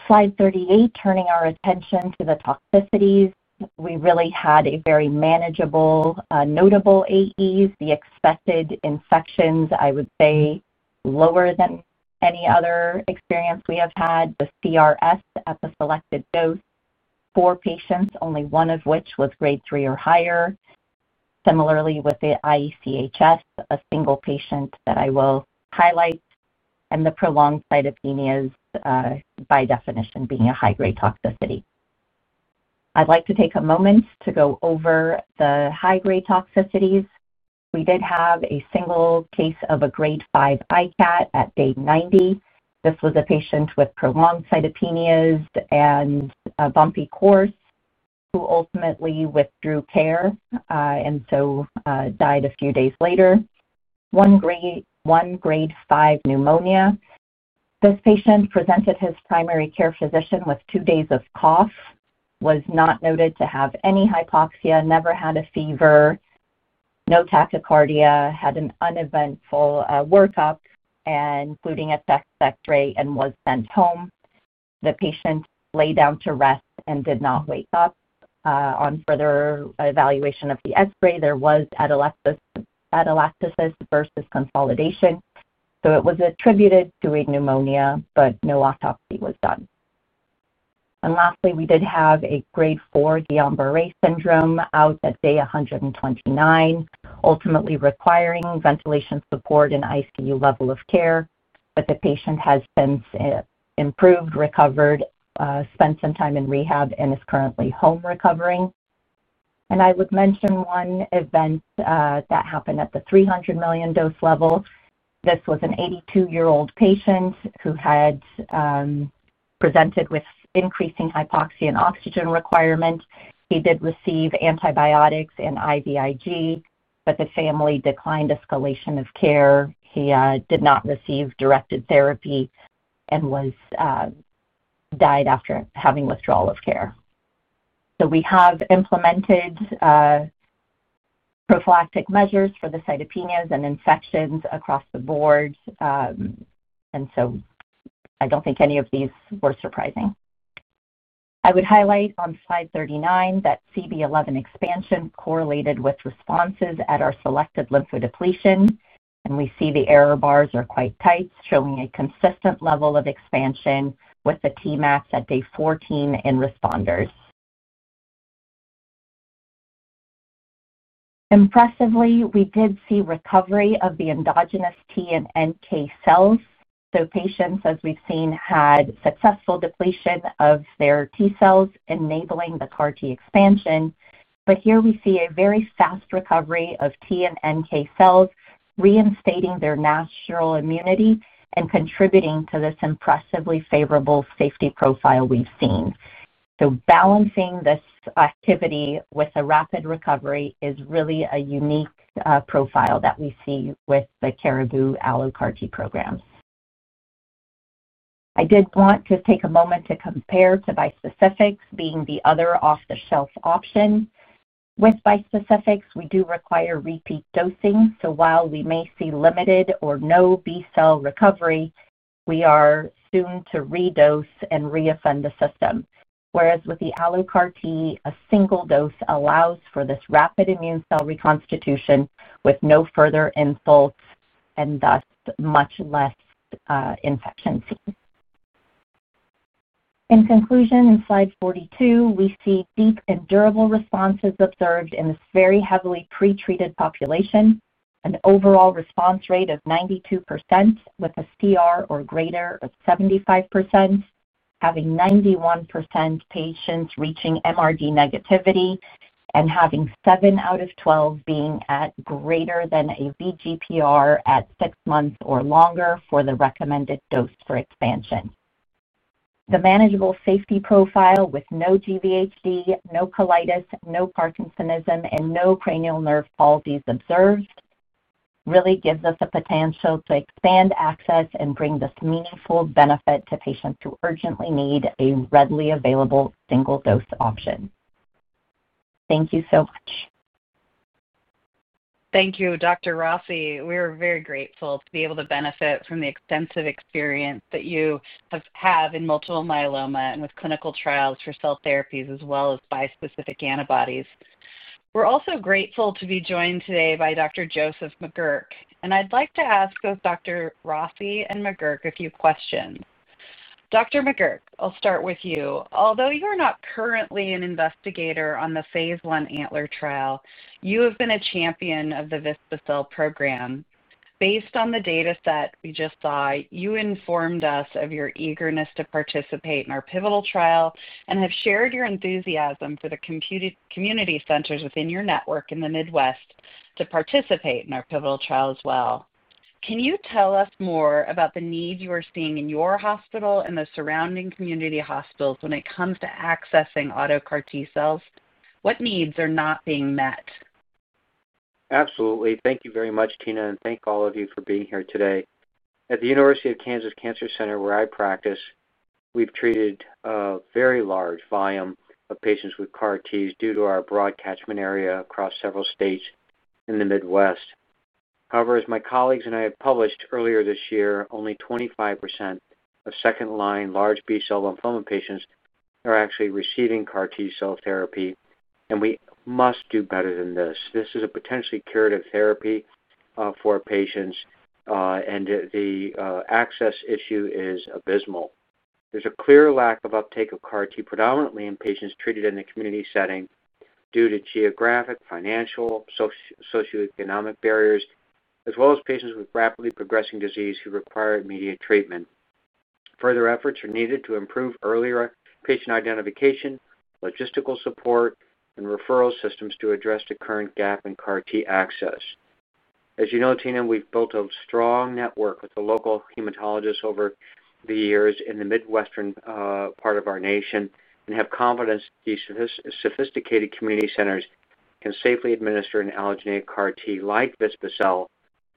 Slide 38, turning our attention to the toxicities, we really had a very manageable, notable AEs. The expected infections, I would say, lower than any other experience we have had, the CRS at the selected dose, four patients, only one of which was grade three or higher. Similarly, with the ICANS, a single patient that I will highlight, and the prolonged cytopenias. By definition, being a high-grade toxicity. I'd like to take a moment to go over the high-grade toxicities. We did have a single case of a grade five ICANS at day 90. This was a patient with prolonged cytopenias and a bumpy course who ultimately withdrew care and so died a few days later. One grade five pneumonia. This patient presented to his primary care physician with two days of cough, was not noted to have any hypoxia, never had a fever. No tachycardia, had an uneventful workup, including a chest X-ray, and was sent home. The patient lay down to rest and did not wake up. On further evaluation of the X-ray, there was atelectasis versus consolidation, so it was attributed to a pneumonia, but no autopsy was done. Lastly, we did have a grade four Guillain-Barré syndrome out at day 129, ultimately requiring ventilation support and ICU level of care, but the patient has since improved, recovered, spent some time in rehab, and is currently home recovering. I would mention one event that happened at the 300 million dose level. This was an 82-year-old patient who had presented with increasing hypoxia and oxygen requirement. He did receive antibiotics and IVIG, but the family declined escalation of care. He did not receive directed therapy and died after having withdrawal of care. We have implemented prophylactic measures for the cytopenias and infections across the board. I do not think any of these were surprising. I would highlight on slide 39 that CB-011 expansion correlated with responses at our selected lymphodepletion, and we see the error bars are quite tight, showing a consistent level of expansion with the T max at day 14 in responders. Impressively, we did see recovery of the endogenous T and NK cells. Patients, as we have seen, had successful depletion of their T cells, enabling the CAR-T expansion. Here we see a very fast recovery of T and NK cells, reinstating their natural immunity and contributing to this impressively favorable safety profile we have seen. Balancing this activity with a rapid recovery is really a unique profile that we see with the Caribou AlloCAR-T programs. I did want to take a moment to compare to bispecifics, being the other off-the-shelf option. With bispecifics, we do require repeat dosing. While we may see limited or no B cell recovery, we are soon to redose and re-offend the system. Whereas with the AlloCAR-T, a single dose allows for this rapid immune cell reconstitution with no further insults and thus much less infection seen. In conclusion, in slide 42, we see deep and durable responses observed in this very heavily pretreated population, an overall response rate of 92% with a CR or greater of 75%. Having 91% of patients reaching MRD negativity and having 7 out of 12 being at greater than a VGPR at six months or longer for the recommended dose for expansion. The manageable safety profile with no GVHD, no colitis, no Parkinsonism, and no cranial nerve palsy observed really gives us a potential to expand access and bring this meaningful benefit to patients who urgently need a readily available single dose option. Thank you so much. Thank you, Dr. Rossi. We are very grateful to be able to benefit from the extensive experience that you have in multiple myeloma and with clinical trials for cell therapies, as well as bispecific antibodies. We are also grateful to be joined today by Dr. Joseph McGurk. I would like to ask both Dr. Rossi and McGurk a few questions. Dr. McGurk, I will start with you. Although you are not currently an investigator on the phase I Antler trial, you have been a champion of the vispa-cel program. Based on the dataset we just saw, you informed us of your eagerness to participate in our pivotal trial and have shared your enthusiasm for the community centers within your network in the Midwest to participate in our pivotal trial as well. Can you tell us more about the needs you are seeing in your hospital and the surrounding community hospitals when it comes to accessing auto CAR-T cells? What needs are not being met? Absolutely. Thank you very much, Tina, and thank all of you for being here today. At the University of Kansas Cancer Center, where I practice, we've treated a very large volume of patients with CAR-Ts due to our broad catchment area across several states in the Midwest. However, as my colleagues and I have published earlier this year, only 25% of second-line large B cell lymphoma patients are actually receiving CAR-T cell therapy, and we must do better than this. This is a potentially curative therapy for patients, and the access issue is abysmal. There's a clear lack of uptake of CAR-T, predominantly in patients treated in the community setting due to geographic, financial, socioeconomic barriers, as well as patients with rapidly progressing disease who require immediate treatment. Further efforts are needed to improve earlier patient identification, logistical support, and referral systems to address the current gap in CAR-T access. As you know, Tina, we've built a strong network with the local hematologists over the years in the Midwestern part of our nation and have confidence that these sophisticated community centers can safely administer an allogeneic CAR-T like vispa-cel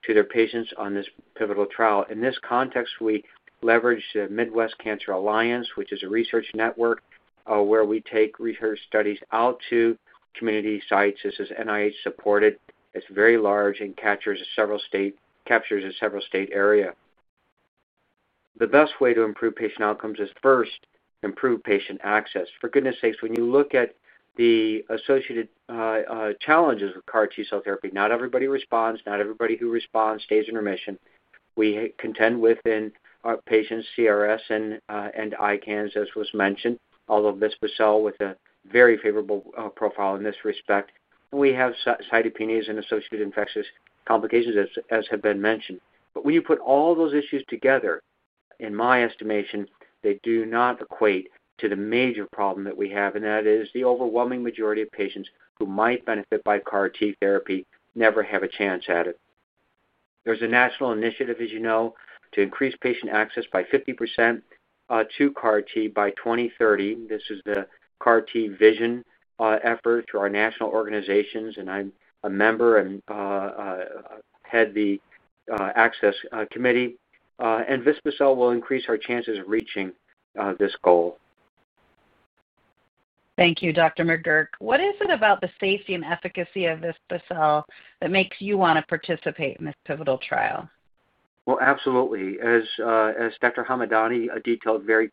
to their patients on this pivotal trial. In this context, we leverage the Midwest Cancer Alliance, which is a research network where we take research studies out to community sites. This is NIH-supported. It's very large and captures a several-state area. The best way to improve patient outcomes is first, improve patient access. For goodness' sakes, when you look at the associated challenges with CAR-T cell therapy, not everybody responds, not everybody who responds stays in remission. We contend within our patients' CRS and ICANS, as was mentioned, although vispa-cel with a very favorable profile in this respect. And we have cytopenias and associated infectious complications, as have been mentioned. But when you put all those issues together, in my estimation, they do not equate to the major problem that we have, and that is the overwhelming majority of patients who might benefit by CAR-T therapy never have a chance at it. There's a national initiative, as you know, to increase patient access by 50% to CAR-T by 2030. This is the CAR-T vision effort through our national organizations, and I'm a member and head the access committee. And vispa-cel will increase our chances of reaching this goal. Thank you, Dr. McGurk. What is it about the safety and efficacy of vispa-cel that makes you want to participate in this pivotal trial? Absolutely. As Dr. Hamadani detailed very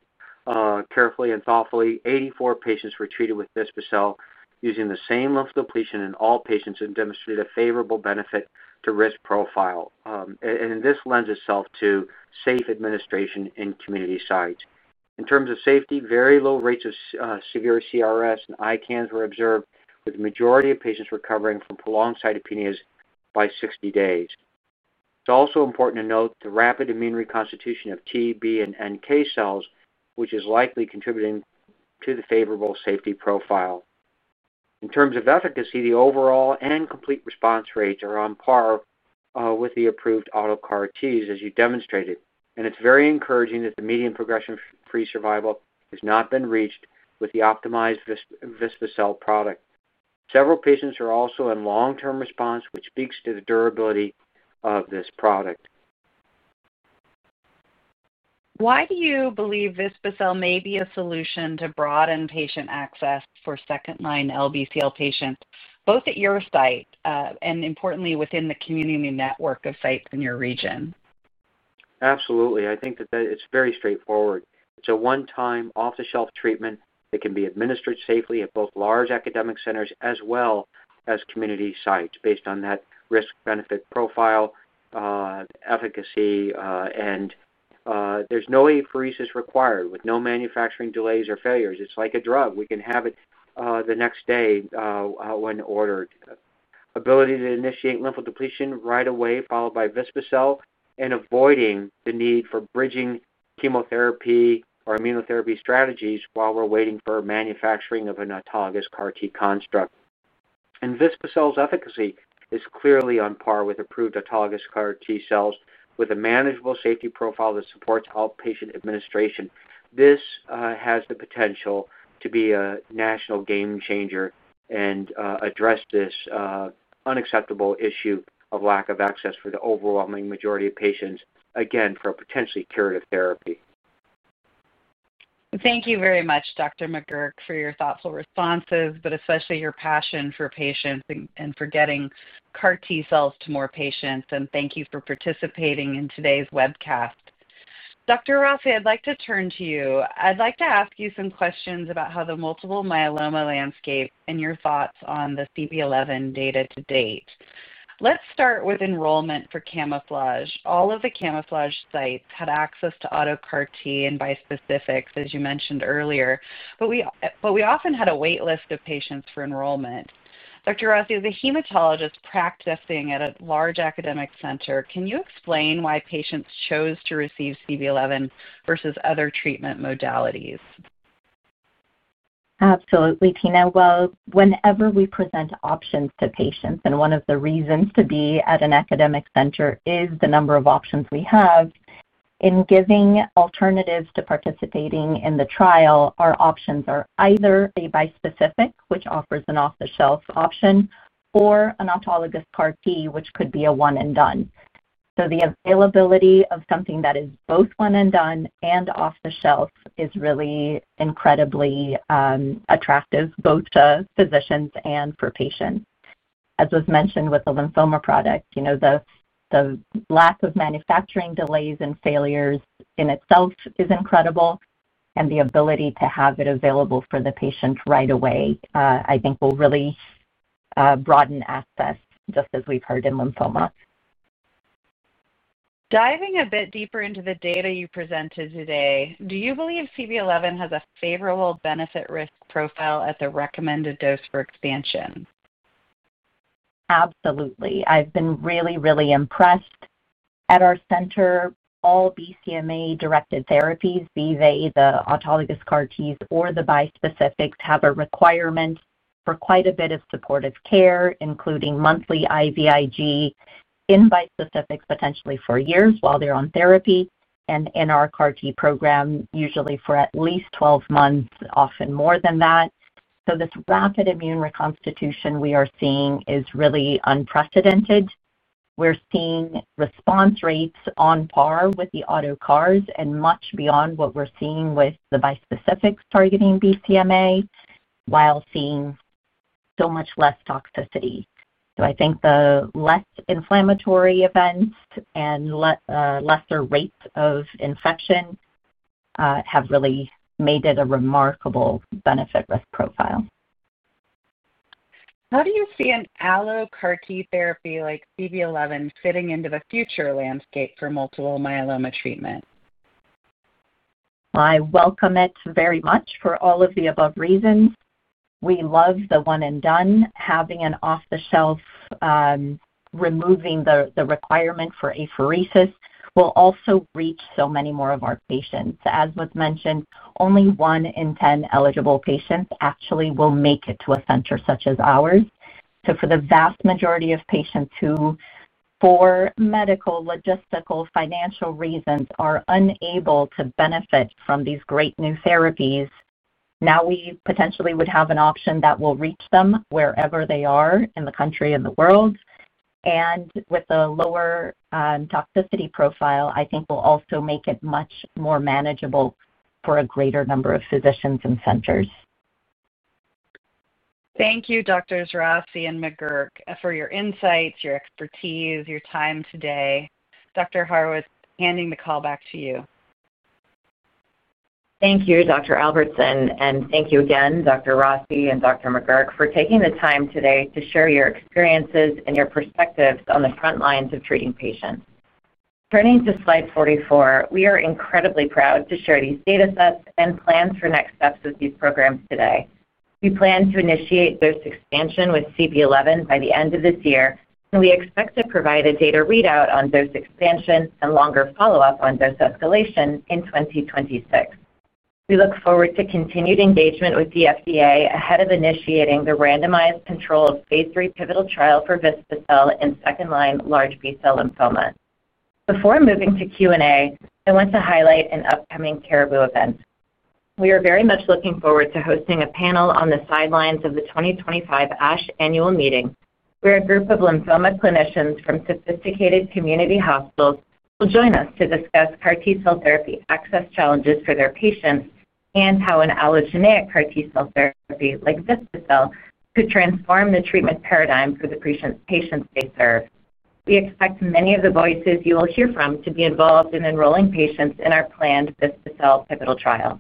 carefully and thoughtfully, 84 patients were treated with vispa-cel using the same lymphodepletion in all patients and demonstrated a favorable benefit to risk profile. This lends itself to safe administration in community sites. In terms of safety, very low rates of severe CRS and ICANS were observed, with the majority of patients recovering from prolonged cytopenias by 60 days. It is also important to note the rapid immune reconstitution of T, B, and NK cells, which is likely contributing to the favorable safety profile. In terms of efficacy, the overall and complete response rates are on par with the approved auto CAR-Ts, as you demonstrated. It is very encouraging that the median progression-free survival has not been reached with the optimized vispa-cel product. Several patients are also in long-term response, which speaks to the durability of this product. Why do you believe vispa-cel may be a solution to broaden patient access for second-line LBCL patients, both at your site and, importantly, within the community network of sites in your region? Absolutely. I think that it is very straightforward. It is a one-time off-the-shelf treatment that can be administered safely at both large academic centers as well as community sites, based on that risk-benefit profile. Efficacy. There is no apheresis required, with no manufacturing delays or failures. It is like a drug. We can have it the next day when ordered. Ability to initiate lymphodepletion right away, followed by vispa-cel, and avoiding the need for bridging chemotherapy or immunotherapy strategies while we are waiting for manufacturing of an autologous CAR-T construct. Vispa-cel's efficacy is clearly on par with approved autologous CAR-T cells, with a manageable safety profile that supports outpatient administration. This has the potential to be a national game changer and address this unacceptable issue of lack of access for the overwhelming majority of patients, again, for a potentially curative therapy. Thank you very much, Dr. McGurk, for your thoughtful responses, but especially your passion for patients and for getting CAR-T cells to more patients. Thank you for participating in today's webcast. Dr. Rossi, I would like to turn to you. I would like to ask you some questions about how the multiple myeloma landscape and your thoughts on the CB-011 data to date. Let's start with enrollment for CaMMouflage. All of the CaMMouflage sites had access to auto CAR-T and bispecifics, as you mentioned earlier, but we often had a waitlist of patients for enrollment. Dr. Rossi, as a hematologist practicing at a large academic center, can you explain why patients chose to receive CB-011 versus other treatment modalities? Absolutely, Tina. Whenever we present options to patients, and one of the reasons to be at an academic center is the number of options we have, in giving alternatives to participating in the trial, our options are either a bispecific, which offers an off-the-shelf option, or an autologous CAR-T, which could be a one-and-done. The availability of something that is both one-and-done and off-the-shelf is really incredibly attractive, both to physicians and for patients. As was mentioned with the lymphoma product, the lack of manufacturing delays and failures in itself is incredible, and the ability to have it available for the patient right away, I think, will really broaden access, just as we've heard in lymphoma. Diving a bit deeper into the data you presented today, do you believe CB-011 has a favorable benefit-risk profile at the recommended dose for expansion? Absolutely. I've been really, really impressed. At our center, all BCMA-directed therapies, be they the autologous CAR-Ts or the bispecifics, have a requirement for quite a bit of supportive care, including monthly IVIG. In bispecifics potentially for years while they're on therapy, and in our CAR-T program, usually for at least 12 months, often more than that. This rapid immune reconstitution we are seeing is really unprecedented. We're seeing response rates on par with the auto CARs and much beyond what we're seeing with the bispecifics targeting BCMA, while seeing so much less toxicity. I think the less inflammatory events and lesser rates of infection have really made it a remarkable benefit-risk profile. How do you see an alloCAR-T therapy like CB-011 fitting into the future landscape for multiple myeloma treatment? I welcome it very much for all of the above reasons. We love the one-and-done. Having an off-the-shelf, removing the requirement for apheresis will also reach so many more of our patients. As was mentioned, only one in ten eligible patients actually will make it to a center such as ours. For the vast majority of patients who, for medical, logistical, financial reasons, are unable to benefit from these great new therapies, now we potentially would have an option that will reach them wherever they are in the country and the world. With a lower toxicity profile, I think, it will also make it much more manageable for a greater number of physicians and centers. Thank you, Drs. Rossi and McGurk, for your insights, your expertise, your time today. Dr. Haurwitz, handing the call back to you. Thank you, Dr. Albertson. Thank you again, Dr. Rossi and Dr. McGurk, for taking the time today to share your experiences and your perspectives on the front lines of treating patients. Turning to slide 44, we are incredibly proud to share these datasets and plans for next steps with these programs today. We plan to initiate dose expansion with CB-011 by the end of this year, and we expect to provide a data readout on dose expansion and longer follow-up on dose escalation in 2026. We look forward to continued engagement with the FDA ahead of initiating the randomized control phase III pivotal trial for vispacabtagene regedleucel in second-line large B cell lymphoma. Before moving to Q&A, I want to highlight an upcoming Caribou event. We are very much looking forward to hosting a panel on the sidelines of the 2025 ASH annual meeting, where a group of lymphoma clinicians from sophisticated community hospitals will join us to discuss CAR-T cell therapy access challenges for their patients and how an allogeneic CAR-T cell therapy like vispacabtagene regedleucel could transform the treatment paradigm for the patients they serve. We expect many of the voices you will hear from to be involved in enrolling patients in our planned vispacabtagene regedleucel pivotal trial.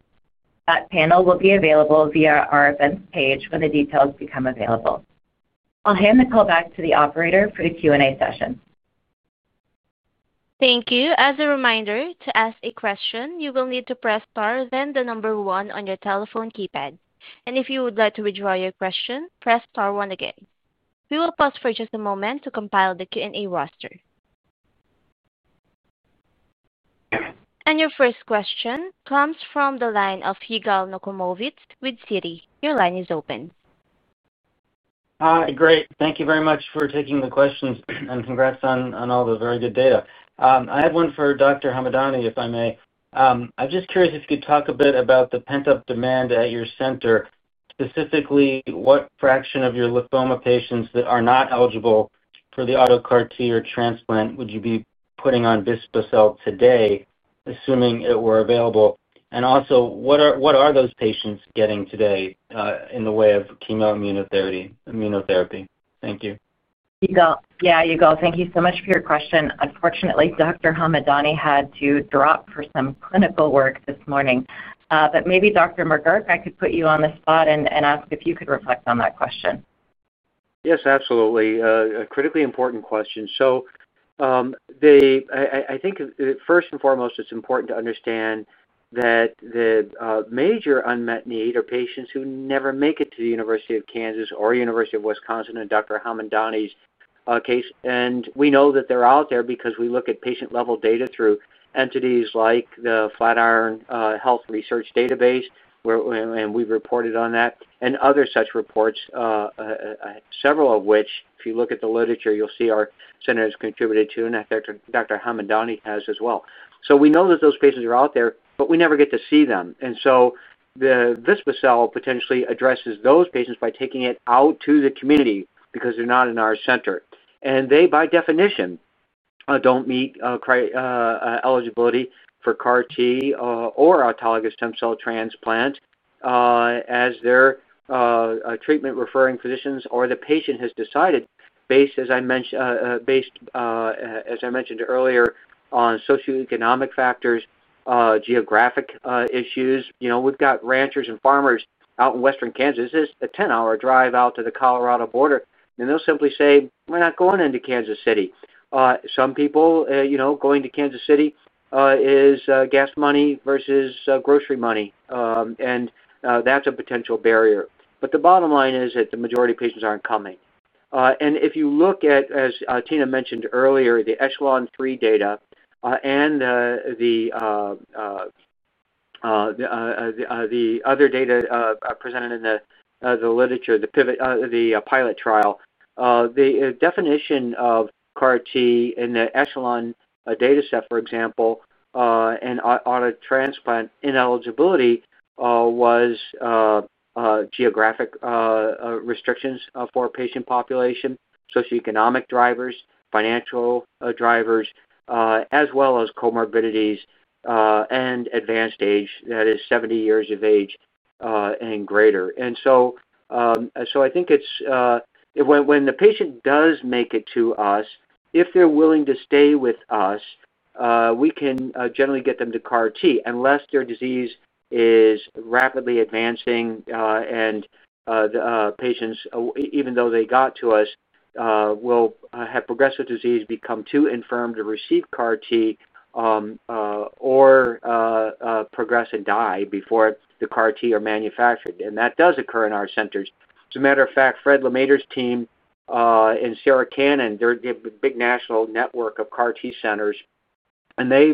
That panel will be available via our events page when the details become available. I'll hand the call back to the operator for the Q&A session. Thank you. As a reminder, to ask a question, you will need to press star then the number one on your telephone keypad. If you would like to withdraw your question, press star one again. We will pause for just a moment to compile the Q&A roster. Your first question comes from the line of Yigal Nochomovitz with Citi. Your line is open. Hi, great. Thank you very much for taking the questions, and congrats on all the very good data. I have one for Dr. Hamadani, if I may. I'm just curious if you could talk a bit about the pent-up demand at your center. Specifically, what fraction of your lymphoma patients that are not eligible for the auto CAR-T or transplant would you be putting on vispacabtagene regedleucel today, assuming it were available? Also, what are those patients getting today in the way of chemoimmunotherapy? Thank you. Yigal, yeah, Yigal, thank you so much for your question. Unfortunately, Dr. Hamadani had to drop for some clinical work this morning. Maybe Dr. McGurk, I could put you on the spot and ask if you could reflect on that question. Yes, absolutely. A critically important question. I think, first and foremost, it's important to understand that the major unmet need are patients who never make it to the University of Kansas or University of Wisconsin in Dr. Hamadani's case. We know that they're out there because we look at patient-level data through entities like the Flatiron Health Research Database, and we've reported on that, and other such reports. Several of which, if you look at the literature, you'll see our center has contributed to, and I think Dr. Hamadani has as well. We know that those patients are out there, but we never get to see them. The vispacabtagene regedleucel potentially addresses those patients by taking it out to the community because they're not in our center. They, by definition, don't meet eligibility for CAR-T or autologous stem cell transplant, as their treatment-referring physicians or the patient has decided. Based, as I mentioned earlier, on socioeconomic factors, geographic issues. We've got ranchers and farmers out in western Kansas. It's a 10-hour drive out to the Colorado border. And they'll simply say, "We're not going into Kansas City." Some people. Going to Kansas City is gas money versus grocery money. And that's a potential barrier. The bottom line is that the majority of patients aren't coming. If you look at, as Tina mentioned earlier, the Echelon 3 data and the other data presented in the literature, the pilot trial, the definition of CAR-T in the Echelon data set, for example, and auto transplant ineligibility was geographic. Restrictions for patient population, socioeconomic drivers, financial drivers, as well as comorbidities and advanced age, that is 70 years of age and greater. I think it's when the patient does make it to us, if they're willing to stay with us, we can generally get them to CAR-T, unless their disease is rapidly advancing and patients, even though they got to us, will have progressive disease, become too infirm to receive CAR-T, or progress and die before the CAR-T are manufactured. That does occur in our centers. As a matter of fact, Fred LaMeder's team and Sarah Cannon, they're a big national network of CAR-T centers, and they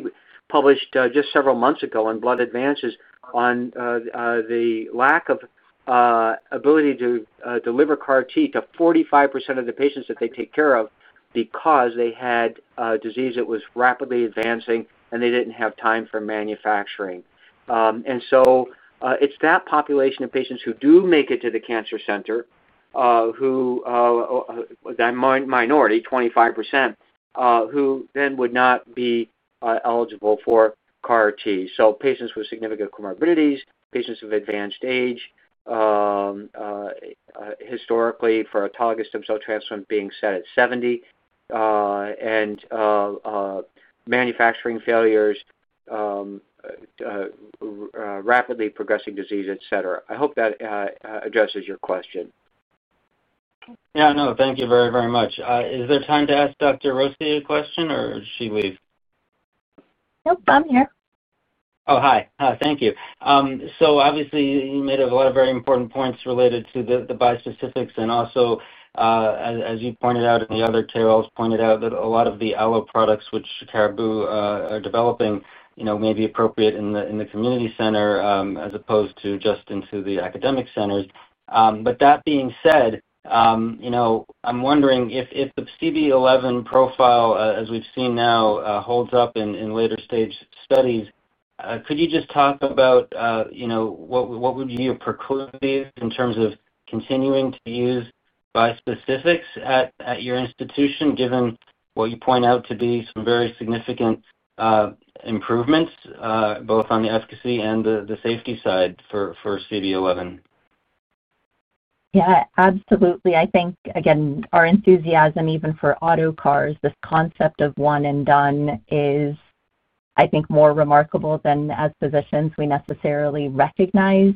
published just several months ago in Blood Advances on the lack of ability to deliver CAR-T to 45% of the patients that they take care of because they had disease that was rapidly advancing and they didn't have time for manufacturing. It's that population of patients who do make it to the cancer center, that minority, 25%, who then would not be eligible for CAR-T. Patients with significant comorbidities, patients of advanced age, historically for autologous stem cell transplant being set at 70, and manufacturing failures, rapidly progressing disease, etc. I hope that addresses your question. Yeah, no, thank you very, very much. Is there time to ask Dr. Rossi a question, or should we? Nope, I'm here. Oh, hi. Thank you. Obviously, you made a lot of very important points related to the bispecifics. Also, as you pointed out and the other Carols pointed out, a lot of the allo products which Caribou are developing may be appropriate in the community center as opposed to just into the academic centers. That being said, I'm wondering if the CB-011 profile, as we've seen now, holds up in later stage studies, could you just talk about what would you preclude in terms of continuing to use bispecifics at your institution, given what you point out to be some very significant improvements, both on the efficacy and the safety side for CB-011? Yeah, absolutely. I think, again, our enthusiasm even for auto CARs, this concept of one-and-done is, I think, more remarkable than as physicians we necessarily recognize.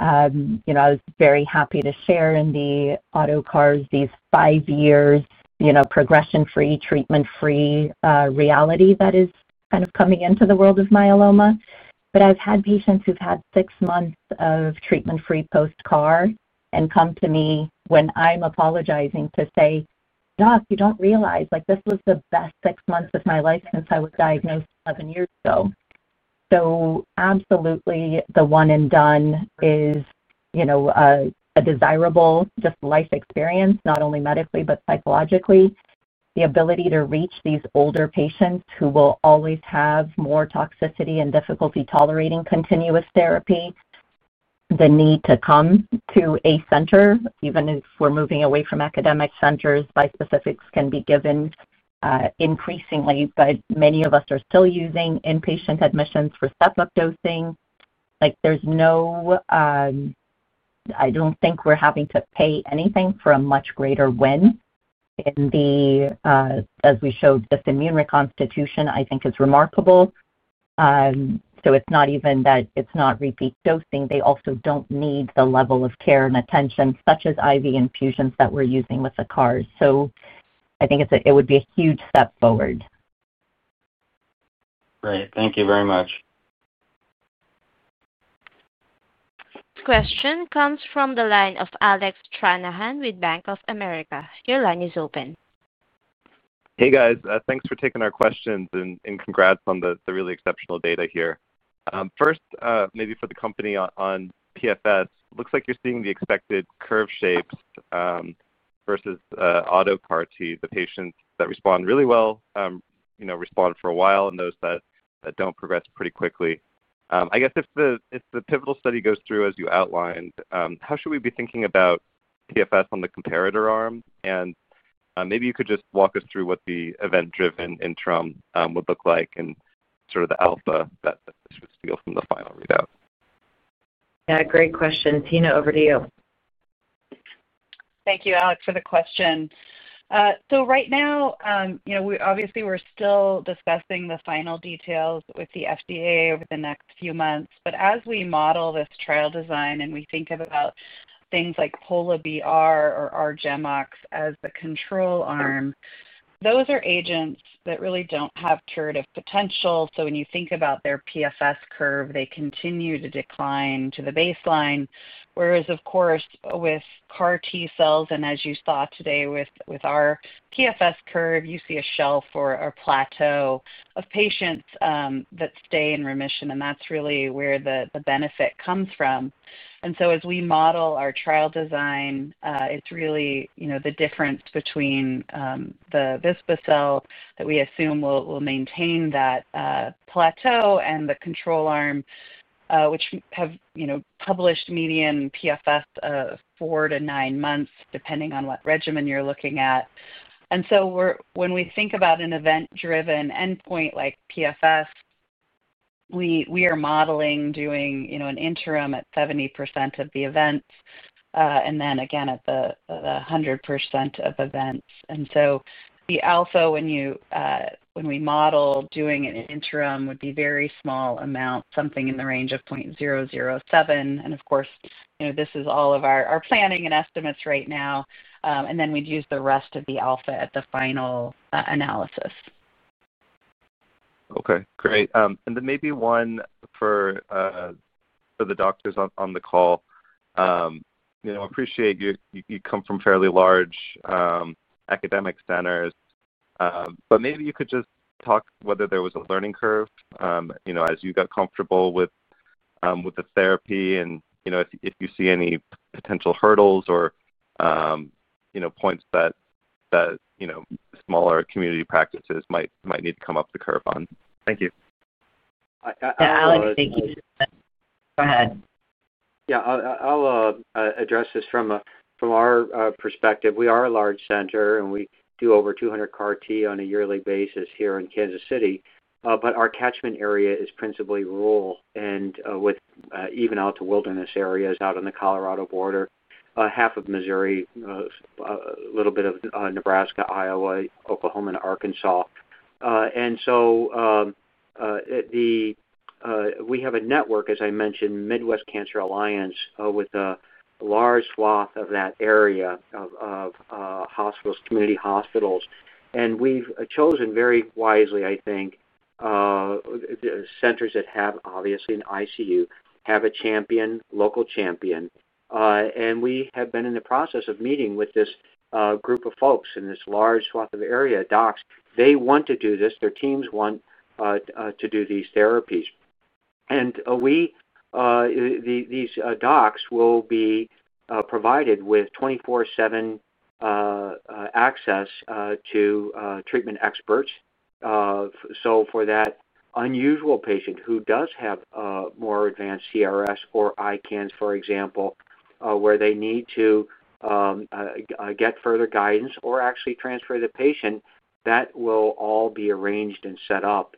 I was very happy to share in the auto CARs, these five years. Progression-free, treatment-free reality that is kind of coming into the world of myeloma. But I've had patients who've had six months of treatment-free post-CAR and come to me when I'm apologizing to say, "Doc, you don't realize this was the best six months of my life since I was diagnosed 11 years ago." So absolutely, the one-and-done is a desirable just life experience, not only medically but psychologically. The ability to reach these older patients who will always have more toxicity and difficulty tolerating continuous therapy. The need to come to a center, even if we're moving away from academic centers, bispecifics can be given increasingly. But many of us are still using inpatient admissions for step-up dosing. There's no, I don't think we're having to pay anything for a much greater win. In the, as we showed, this immune reconstitution, I think, is remarkable. So it's not even that it's not repeat dosing. They also don't need the level of care and attention such as IV infusions that we're using with the CARs. I think it would be a huge step forward. Great. Thank you very much. Question comes from the line of Alec Stranahan with Bank of America. Your line is open. Hey, guys. Thanks for taking our questions and congrats on the really exceptional data here. First, maybe for the company on PFS, it looks like you're seeing the expected curve shapes versus auto CAR-T. The patients that respond really well respond for a while and those that don't progress pretty quickly. I guess if the pivotal study goes through, as you outlined, how should we be thinking about PFS on the comparator arm? And maybe you could just walk us through what the event-driven interim would look like and sort of the alpha that we should feel from the final readout. Yeah, great question. Tina, over to you. Thank you, Alec, for the question. So right now, obviously, we're still discussing the final details with the FDA over the next few months. But as we model this trial design and we think about things like Polatuzumab vedotin plus bendamustine and rituximab or R-GemOx as the control arm, those are agents that really don't have curative potential. When you think about their PFS curve, they continue to decline to the baseline. Whereas, of course, with CAR-T cells and as you saw today with our PFS curve, you see a shelf or a plateau of patients that stay in remission. That's really where the benefit comes from. As we model our trial design, it's really the difference between the vispacabtagene regedleucel that we assume will maintain that plateau and the control arm, which have published median PFS of four to nine months, depending on what regimen you're looking at. When we think about an event-driven endpoint like PFS, we are modeling doing an interim at 70% of the events and then, again, at the 100% of events. The alpha when we. Model doing an interim would be very small amounts, something in the range of 0.007. Of course, this is all of our planning and estimates right now. Then we'd use the rest of the alpha at the final analysis. Okay, great. Maybe one for the doctors on the call. I appreciate you come from fairly large academic centers, but maybe you could just talk whether there was a learning curve as you got comfortable with the therapy and if you see any potential hurdles or points that smaller community practices might need to come up the curve on. Thank you. Yeah, Alec, thank you. Go ahead. I'll address this from our perspective. We are a large center, and we do over 200 CAR-T on a yearly basis here in Kansas City. Our catchment area is principally rural, and even out to wilderness areas out on the Colorado border, half of Missouri, a little bit of Nebraska, Iowa, Oklahoma, and Arkansas. We have a network, as I mentioned, Midwest Cancer Alliance, with a large swath of that area of community hospitals. We've chosen very wisely, I think, centers that have, obviously, an ICU, have a champion, local champion. We have been in the process of meeting with this group of folks in this large swath of area, docs. They want to do this. Their teams want to do these therapies. These docs will be provided with 24/7 access to treatment experts. For that unusual patient who does have more advanced CRS or ICANS, for example, where they need to get further guidance or actually transfer the patient, that will all be arranged and set up.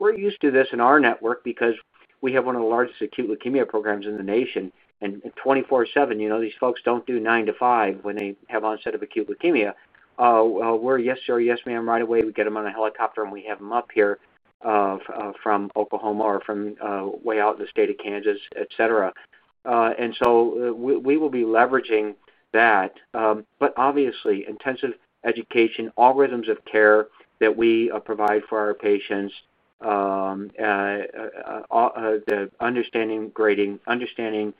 We're used to this in our network because we have one of the largest acute leukemia programs in the nation. 24/7, these folks don't do 9-5 when they have onset of acute leukemia. We're a yes-sir, yes-ma'am right away. We get them on a helicopter, and we have them up here from Oklahoma or from way out in the state of Kansas, etc. We will be leveraging that. Obviously, intensive education, algorithms of care that we provide for our patients, the understanding of grading, understanding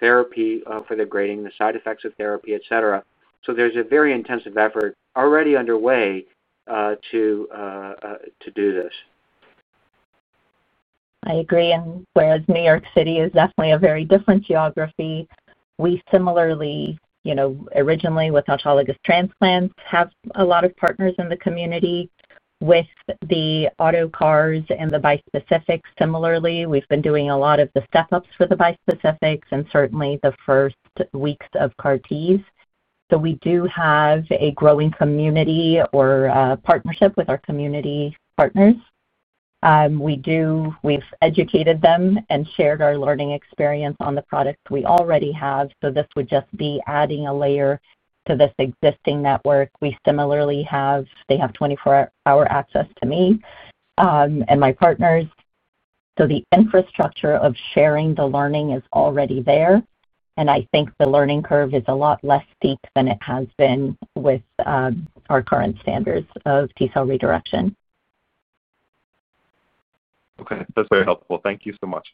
therapy for the grading, the side effects of therapy, etc. There's a very intensive effort already underway to do this. I agree. Whereas New York City is definitely a very different geography, we similarly, originally with autologous transplants, have a lot of partners in the community with the auto CARs and the bispecifics. Similarly, we've been doing a lot of the step-ups for the bispecifics and certainly the first weeks of CAR-Ts. We do have a growing community or partnership with our community partners. We've educated them and shared our learning experience on the products we already have. This would just be adding a layer to this existing network. They have 24-hour access to me and my partners. The infrastructure of sharing the learning is already there. I think the learning curve is a lot less steep than it has been with our current standards of T-cell redirection. Okay. That is very helpful. Thank you so much.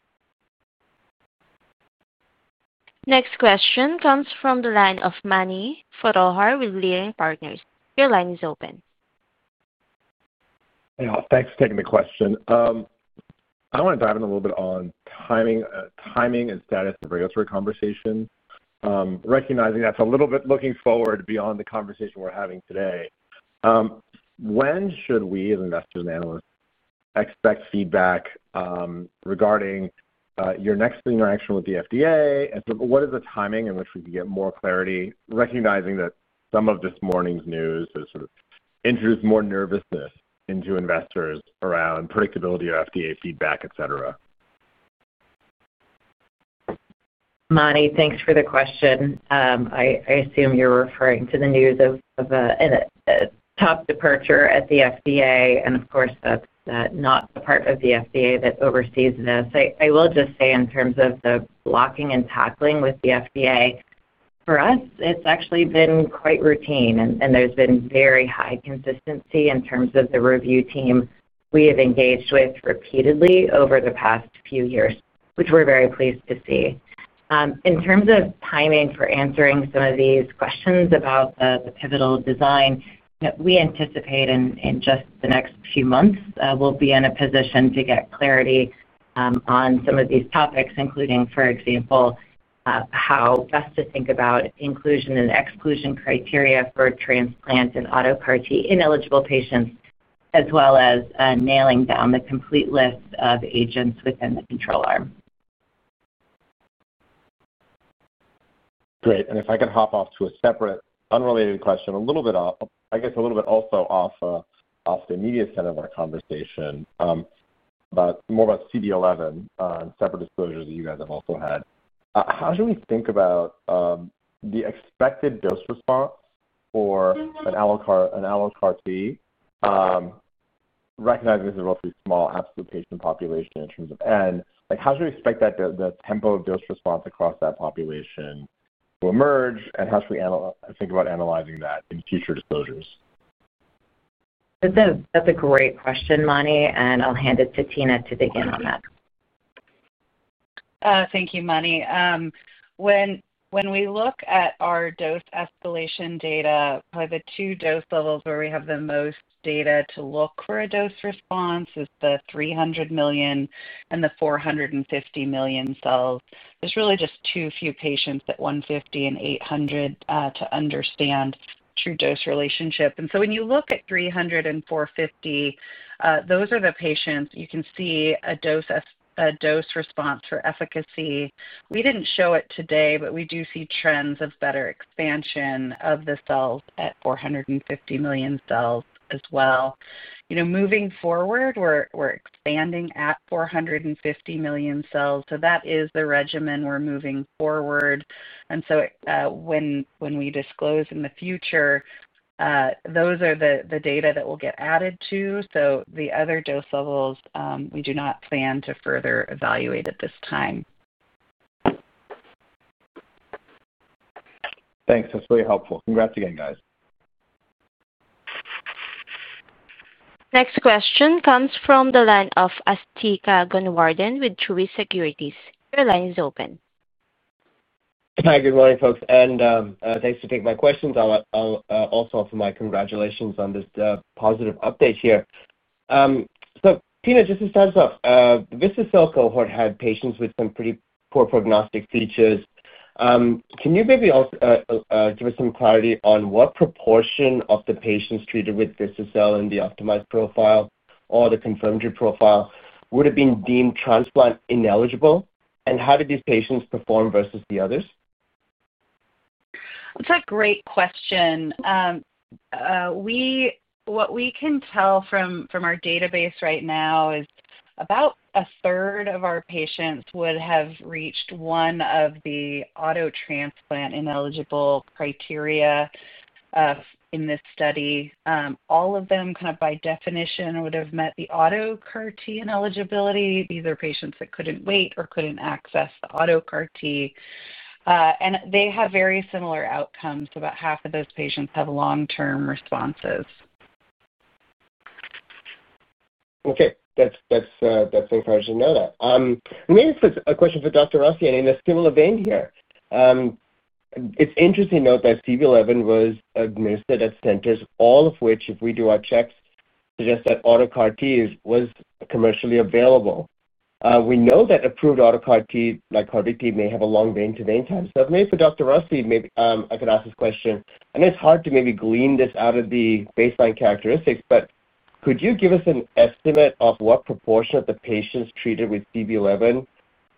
Next question comes from the line of Mani Foroohar with Leerink Partners. Your line is open. Thanks for taking the question. I want to dive in a little bit on timing and status of regulatory conversation. Recognizing that is a little bit looking forward beyond the conversation we are having today. When should we, as investors and analysts, expect feedback regarding your next interaction with the FDA? What is the timing in which we can get more clarity, recognizing that some of this morning's news has sort of introduced more nervousness into investors around predictability of FDA feedback, etc.? Mani, thanks for the question. I assume you are referring to the news of a top departure at the FDA. Of course, that is not the part of the FDA that oversees this. I will just say in terms of the blocking and tackling with the FDA, for us, it has actually been quite routine. There has been very high consistency in terms of the review team we have engaged with repeatedly over the past few years, which we are very pleased to see. In terms of timing for answering some of these questions about the pivotal design, we anticipate in just the next few months, we will be in a position to get clarity on some of these topics, including, for example, how best to think about inclusion and exclusion criteria for transplant and auto CAR-T ineligible patients, as well as nailing down the complete list of agents within the control arm. Great. If I could hop off to a separate unrelated question, a little bit, I guess, a little bit also off the immediate set of our conversation. More about CB-011 and separate disclosures that you guys have also had. How should we think about the expected dose response for an allo CAR-T? Recognizing this is a relatively small absolute patient population in terms of n, how should we expect the tempo of dose response across that population to emerge? How should we think about analyzing that in future disclosures? That is a great question, Mani. I will hand it to Tina to begin on that. Thank you, Mani. When we look at our dose escalation data, probably the two dose levels where we have the most data to look for a dose response is the 300 million and the 450 million cells. There are really just too few patients at 150 and 800 to understand true dose relationship. When you look at 300 and 450, those are the patients you can see a dose response for efficacy. We did not show it today, but we do see trends of better expansion of the cells at 450 million cells as well. Moving forward, we are expanding at 450 million cells. That is the regimen we're moving forward. When we disclose in the future, those are the data that will get added to. The other dose levels, we do not plan to further evaluate at this time. Thanks. That's really helpful. Congrats again, guys. Next question comes from the line of Asthika Goonewardene with Truist Securities. Your line is open. Hi. Good morning, folks, and thanks for taking my questions. I'll also offer my congratulations on this positive update here. Tina, just to start us off, the vispacabtagene regedleucel cohort had patients with some pretty poor prognostic features. Can you maybe also give us some clarity on what proportion of the patients treated with vispacabtagene regedleucel in the optimized profile or the confirmed profile would have been deemed transplant ineligible? And how did these patients perform versus the others? That's a great question. What we can tell from our database right now is about a third of our patients would have reached one of the auto transplant ineligible criteria. In this study, all of them, kind of by definition, would have met the auto CAR-T ineligibility. These are patients that could not wait or could not access the auto CAR-T. They have very similar outcomes. About half of those patients have long-term responses. Okay. That's encouraging to know that. Maybe it's a question for Dr. Rossi. In a similar vein here, it's interesting to note that CB-011 was administered at centers, all of which, if we do our checks, suggest that auto CAR-T was commercially available. We know that approved auto CAR-T, like CAR-T, may have a long vein-to-vein time. Maybe for Dr. Rossi, I could ask this question. I know it's hard to maybe glean this out of the baseline characteristics, but could you give us an estimate of what proportion of the patients treated with CB-011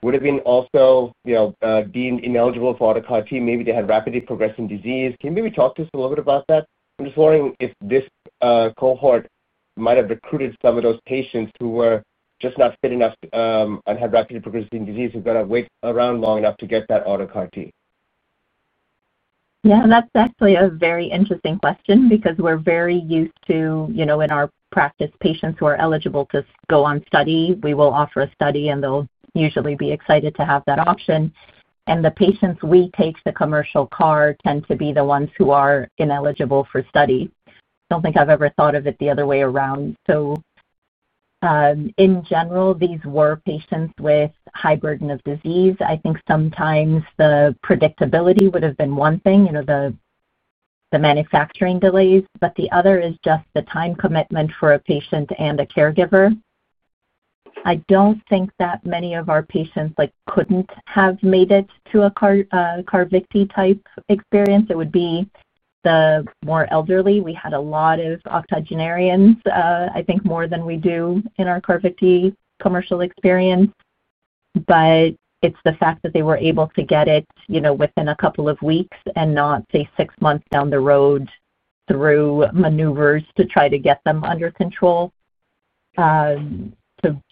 would have been also deemed ineligible for auto CAR-T? Maybe they had rapidly progressing disease. Can you maybe talk to us a little bit about that? I'm just wondering if this cohort might have recruited some of those patients who were just not fit enough and had rapidly progressing disease who did not get to wait around long enough to get that auto CAR-T. Yeah, that's actually a very interesting question because we're very used to, in our practice, patients who are eligible to go on study. We will offer a study, and they'll usually be excited to have that option. The patients we take to commercial CAR tend to be the ones who are ineligible for study. I don't think I've ever thought of it the other way around. In general, these were patients with high burden of disease. I think sometimes the predictability would have been one thing, the manufacturing delays. The other is just the time commitment for a patient and a caregiver. I don't think that many of our patients could not have made it to a CAR-VicT type experience. It would be the more elderly. We had a lot of octogenarians, I think more than we do in our CAR-VicT commercial experience. It is the fact that they were able to get it within a couple of weeks and not, say, six months down the road through maneuvers to try to get them under control.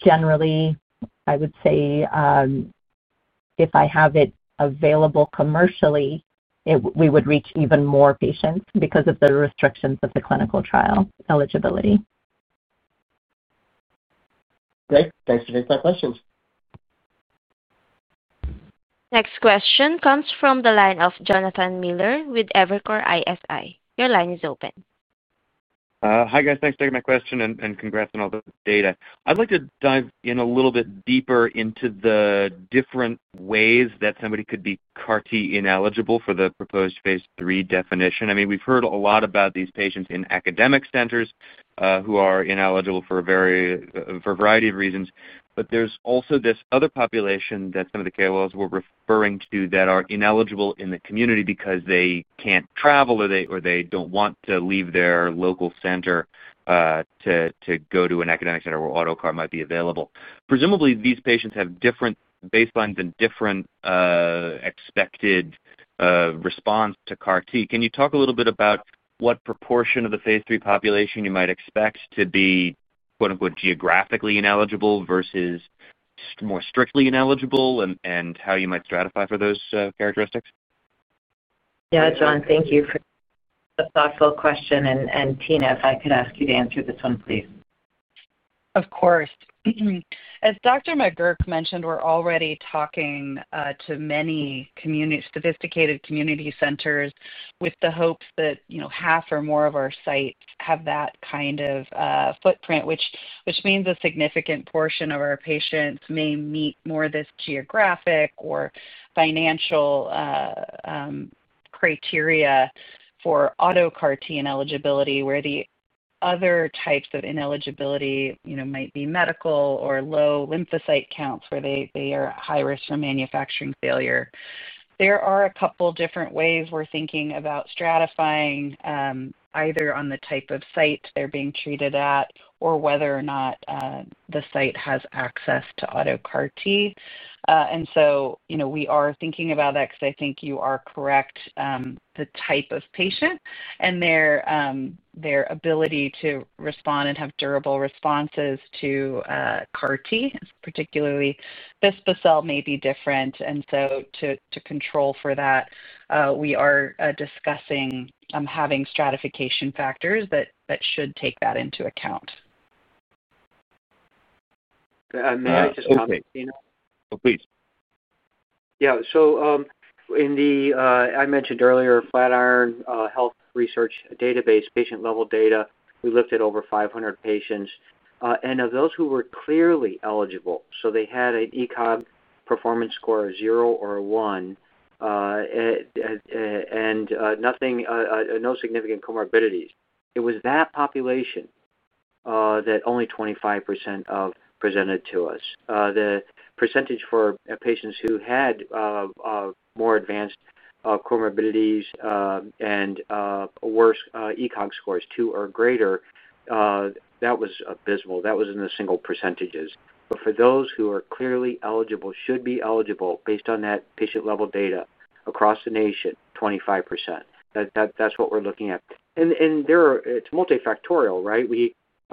Generally, I would say if I have it available commercially, we would reach even more patients because of the restrictions of the clinical trial eligibility. Okay. Thanks for taking my questions. Next question comes from the line of Jonathan Miller with Evercore ISI. Your line is open. Hi, guys. Thanks for taking my question and congrats on all the data. I'd like to dive in a little bit deeper into the different ways that somebody could be CAR-T ineligible for the proposed phase III definition. I mean, we've heard a lot about these patients in academic centers who are ineligible for a variety of reasons. There is also this other population that some of the KOLs were referring to that are ineligible in the community because they can't travel or they don't want to leave their local center to go to an academic center where auto CAR might be available. Presumably, these patients have different baselines and different expected response to CAR-T. Can you talk a little bit about what proportion of the phase III population you might expect to be "geographically ineligible" versus more strictly ineligible and how you might stratify for those characteristics? Yeah, John, thank you for the thoughtful question. Tina, if I could ask you to answer this one, please. Of course. As Dr. McGurk mentioned, we're already talking to many sophisticated community centers with the hopes that half or more of our sites have that kind of footprint, which means a significant portion of our patients may meet more this geographic or financial criteria for auto CAR-T ineligibility, where the other types of ineligibility might be medical or low lymphocyte counts where they are high risk for manufacturing failure. There are a couple of different ways we're thinking about stratifying, either on the type of site they're being treated at or whether or not the site has access to auto CAR-T. We are thinking about that because I think you are correct. The type of patient and their ability to respond and have durable responses to CAR-T, particularly vispacabtagene regedleucel, may be different. To control for that, we are discussing having stratification factors that should take that into account. May I just comment, Tina? Oh, please. Yeah. I mentioned earlier Flatiron Health Research database, patient-level data, we looked at over 500 patients. Of those who were clearly eligible, so they had an ECOG performance score of 0 or 1 and no significant comorbidities, it was that population that only 25% of presented to us. The percentage for patients who had more advanced comorbidities and worse ECOG scores 2 or greater. That was abysmal. That was in the single percentages. For those who are clearly eligible, should be eligible based on that patient-level data across the nation, 25%. That is what we are looking at. It is multifactorial, right?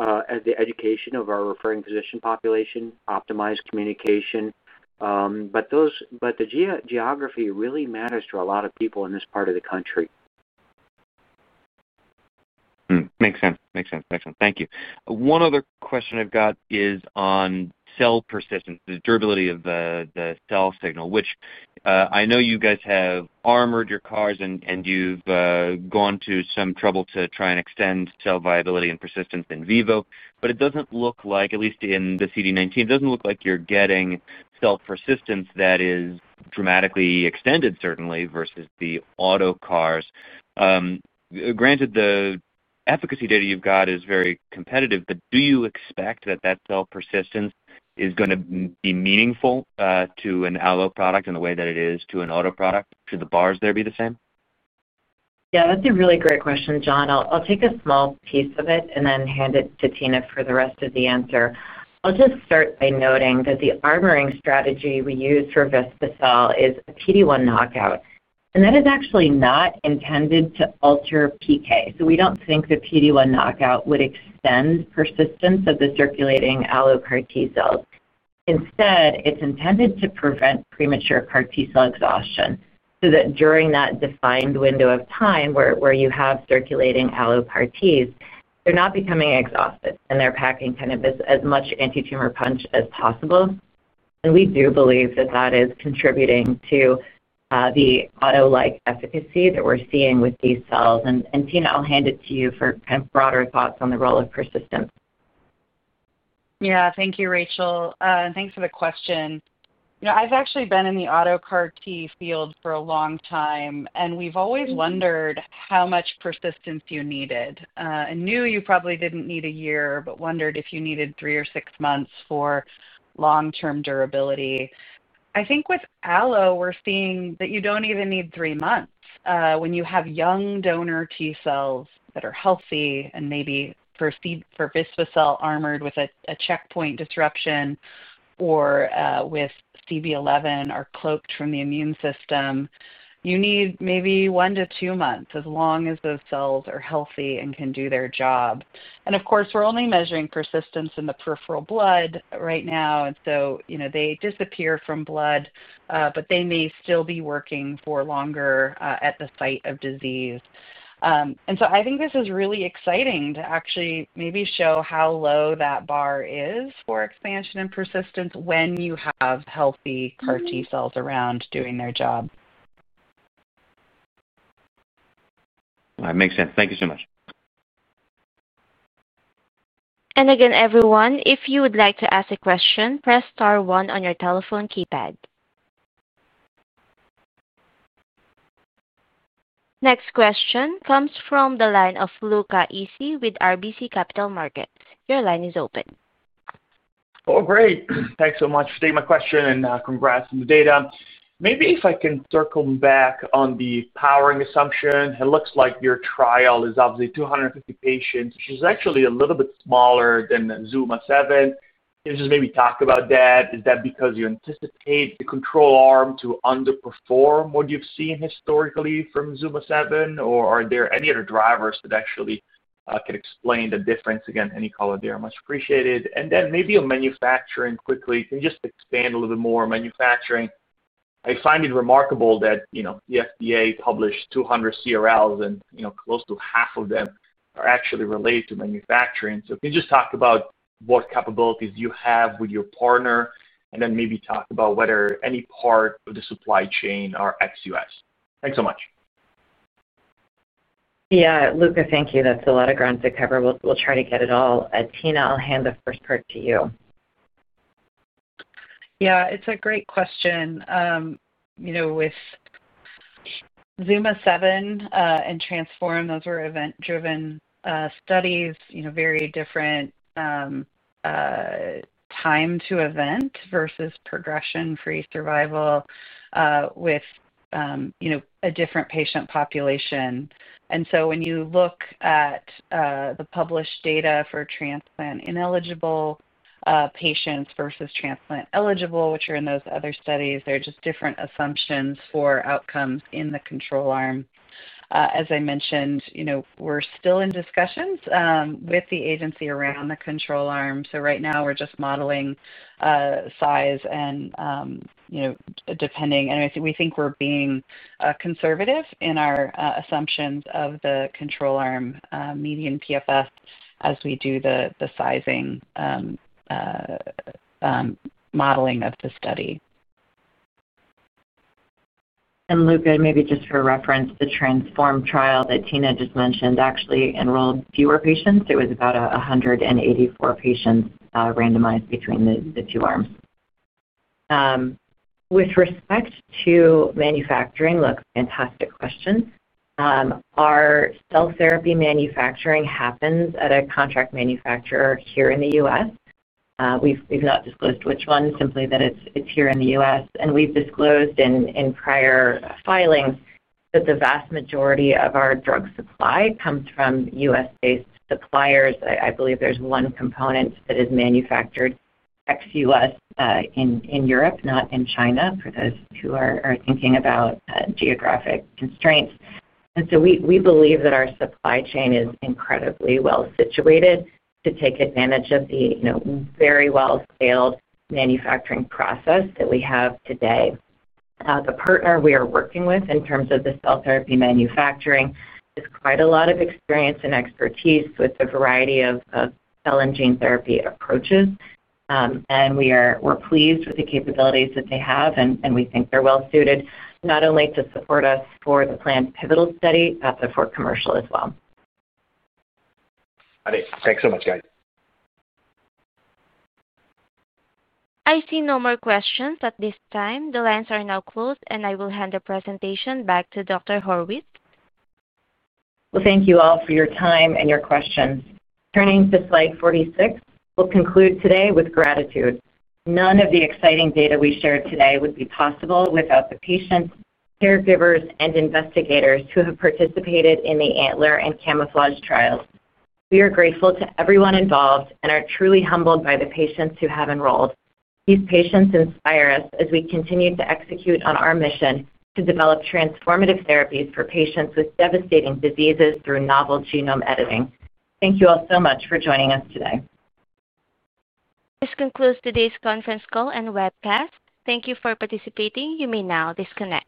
As the education of our referring physician population, optimized communication. The geography really matters to a lot of people in this part of the country. Makes sense. Makes sense. Makes sense. Thank you. One other question I have is on cell persistence, the durability of the cell signal, which I know you guys have armored your CARs and you have gone to some trouble to try and extend cell viability and persistence in vivo. It does not look like, at least in the CD19, it does not look like you are getting cell persistence that is dramatically extended, certainly, versus the auto CARs. Granted, the efficacy data you have is very competitive, but do you expect that that cell persistence is going to be meaningful to an allo product in the way that it is to an auto product? Should the bars there be the same? Yeah, that is a really great question, Jon. I will take a small piece of it and then hand it to Tina for the rest of the answer. I will just start by noting that the armoring strategy we use for vispacabtagene regedleucel is a PD-1 knockout. That is actually not intended to alter PK. We do not think the PD-1 knockout would extend persistence of the circulating allo CAR-T cells. Instead, it is intended to prevent premature CAR-T cell exhaustion so that during that defined window of time where you have circulating allo CAR-Ts, they are not becoming exhausted and they are packing kind of as much anti-tumor punch as possible. We do believe that that is contributing to the auto-like efficacy that we are seeing with these cells. Tina, I will hand it to you for kind of broader thoughts on the role of persistence. Yeah, thank you, Rachel. Thanks for the question. I have actually been in the auto CAR-T field for a long time, and we have always wondered how much persistence you needed. I knew you probably did not need a year, but wondered if you needed three or six months for long-term durability. I think with allo, we are seeing that you do not even need three months when you have young donor T cells that are healthy and maybe for vispacabtagene regedleucel armored with a checkpoint disruption or with CB-011 or cloaked from the immune system. You need maybe one to two months as long as those cells are healthy and can do their job. Of course, we are only measuring persistence in the peripheral blood right now. They disappear from blood, but they may still be working for longer at the site of disease. I think this is really exciting to actually maybe show how low that bar is for expansion and persistence when you have healthy CAR-T cells around doing their job. Makes sense. Thank you so much. Again, everyone, if you would like to ask a question, press star one on your telephone keypad. Next question comes from the line of Luca Issi with RBC Capital Markets. Your line is open. Oh, great. Thanks so much for taking my question and congrats on the data. Maybe if I can circle back on the powering assumption, it looks like your trial is obviously 250 patients, which is actually a little bit smaller than Zuma 7. You just maybe talk about that. Is that because you anticipate the control arm to underperform what you've seen historically from Zuma 7, or are there any other drivers that actually can explain the difference? Again, any comment there? Much appreciated. Then maybe on manufacturing, quickly, can you just expand a little bit more on manufacturing? I find it remarkable that the FDA published 200 CRLs, and close to half of them are actually related to manufacturing. Can you just talk about what capabilities you have with your partner and then maybe talk about whether any part of the supply chain or XUS? Thanks so much. Yeah, Luca, thank you. That's a lot of ground to cover. We'll try to get it all. Tina, I'll hand the first part to you. Yeah, it's a great question. With Zuma 7 and TRANSFORM, those were event-driven studies, very different. Time to event versus progression-free survival. With a different patient population. When you look at the published data for transplant ineligible patients versus transplant eligible, which are in those other studies, there are just different assumptions for outcomes in the control arm. As I mentioned, we're still in discussions with the agency around the control arm. Right now, we're just modeling size and depending—and we think we're being conservative in our assumptions of the control arm median PFS as we do the sizing modeling of the study. Luca, maybe just for reference, the TRANSFORM trial that Tina just mentioned actually enrolled fewer patients. It was about 184 patients randomized between the two arms. With respect to manufacturing, look, fantastic question. Our cell therapy manufacturing happens at a contract manufacturer here in the U.S. We've not disclosed which one, simply that it's here in the U.S. We've disclosed in prior filings that the vast majority of our drug supply comes from U.S.-based suppliers. I believe there's one component that is manufactured XUS in Europe, not in China, for those who are thinking about geographic constraints. We believe that our supply chain is incredibly well situated to take advantage of the very well-skilled manufacturing process that we have today. The partner we are working with in terms of the cell therapy manufacturing has quite a lot of experience and expertise with a variety of cell and gene therapy approaches. We're pleased with the capabilities that they have, and we think they're well suited not only to support us for the planned pivotal study but for commercial as well. Thanks so much, guys. I see no more questions at this time. The lines are now closed, and I will hand the presentation back to Dr. Haurwitz. Thank you all for your time and your questions. Turning to slide 46, we will conclude today with gratitude. None of the exciting data we shared today would be possible without the patients, caregivers, and investigators who have participated in the ANTLER and CaMMouflage trials. We are grateful to everyone involved and are truly humbled by the patients who have enrolled. These patients inspire us as we continue to execute on our mission to develop transformative therapies for patients with devastating diseases through novel genome editing. Thank you all so much for joining us today. This concludes today's conference call and webcast. Thank you for participating. You may now disconnect.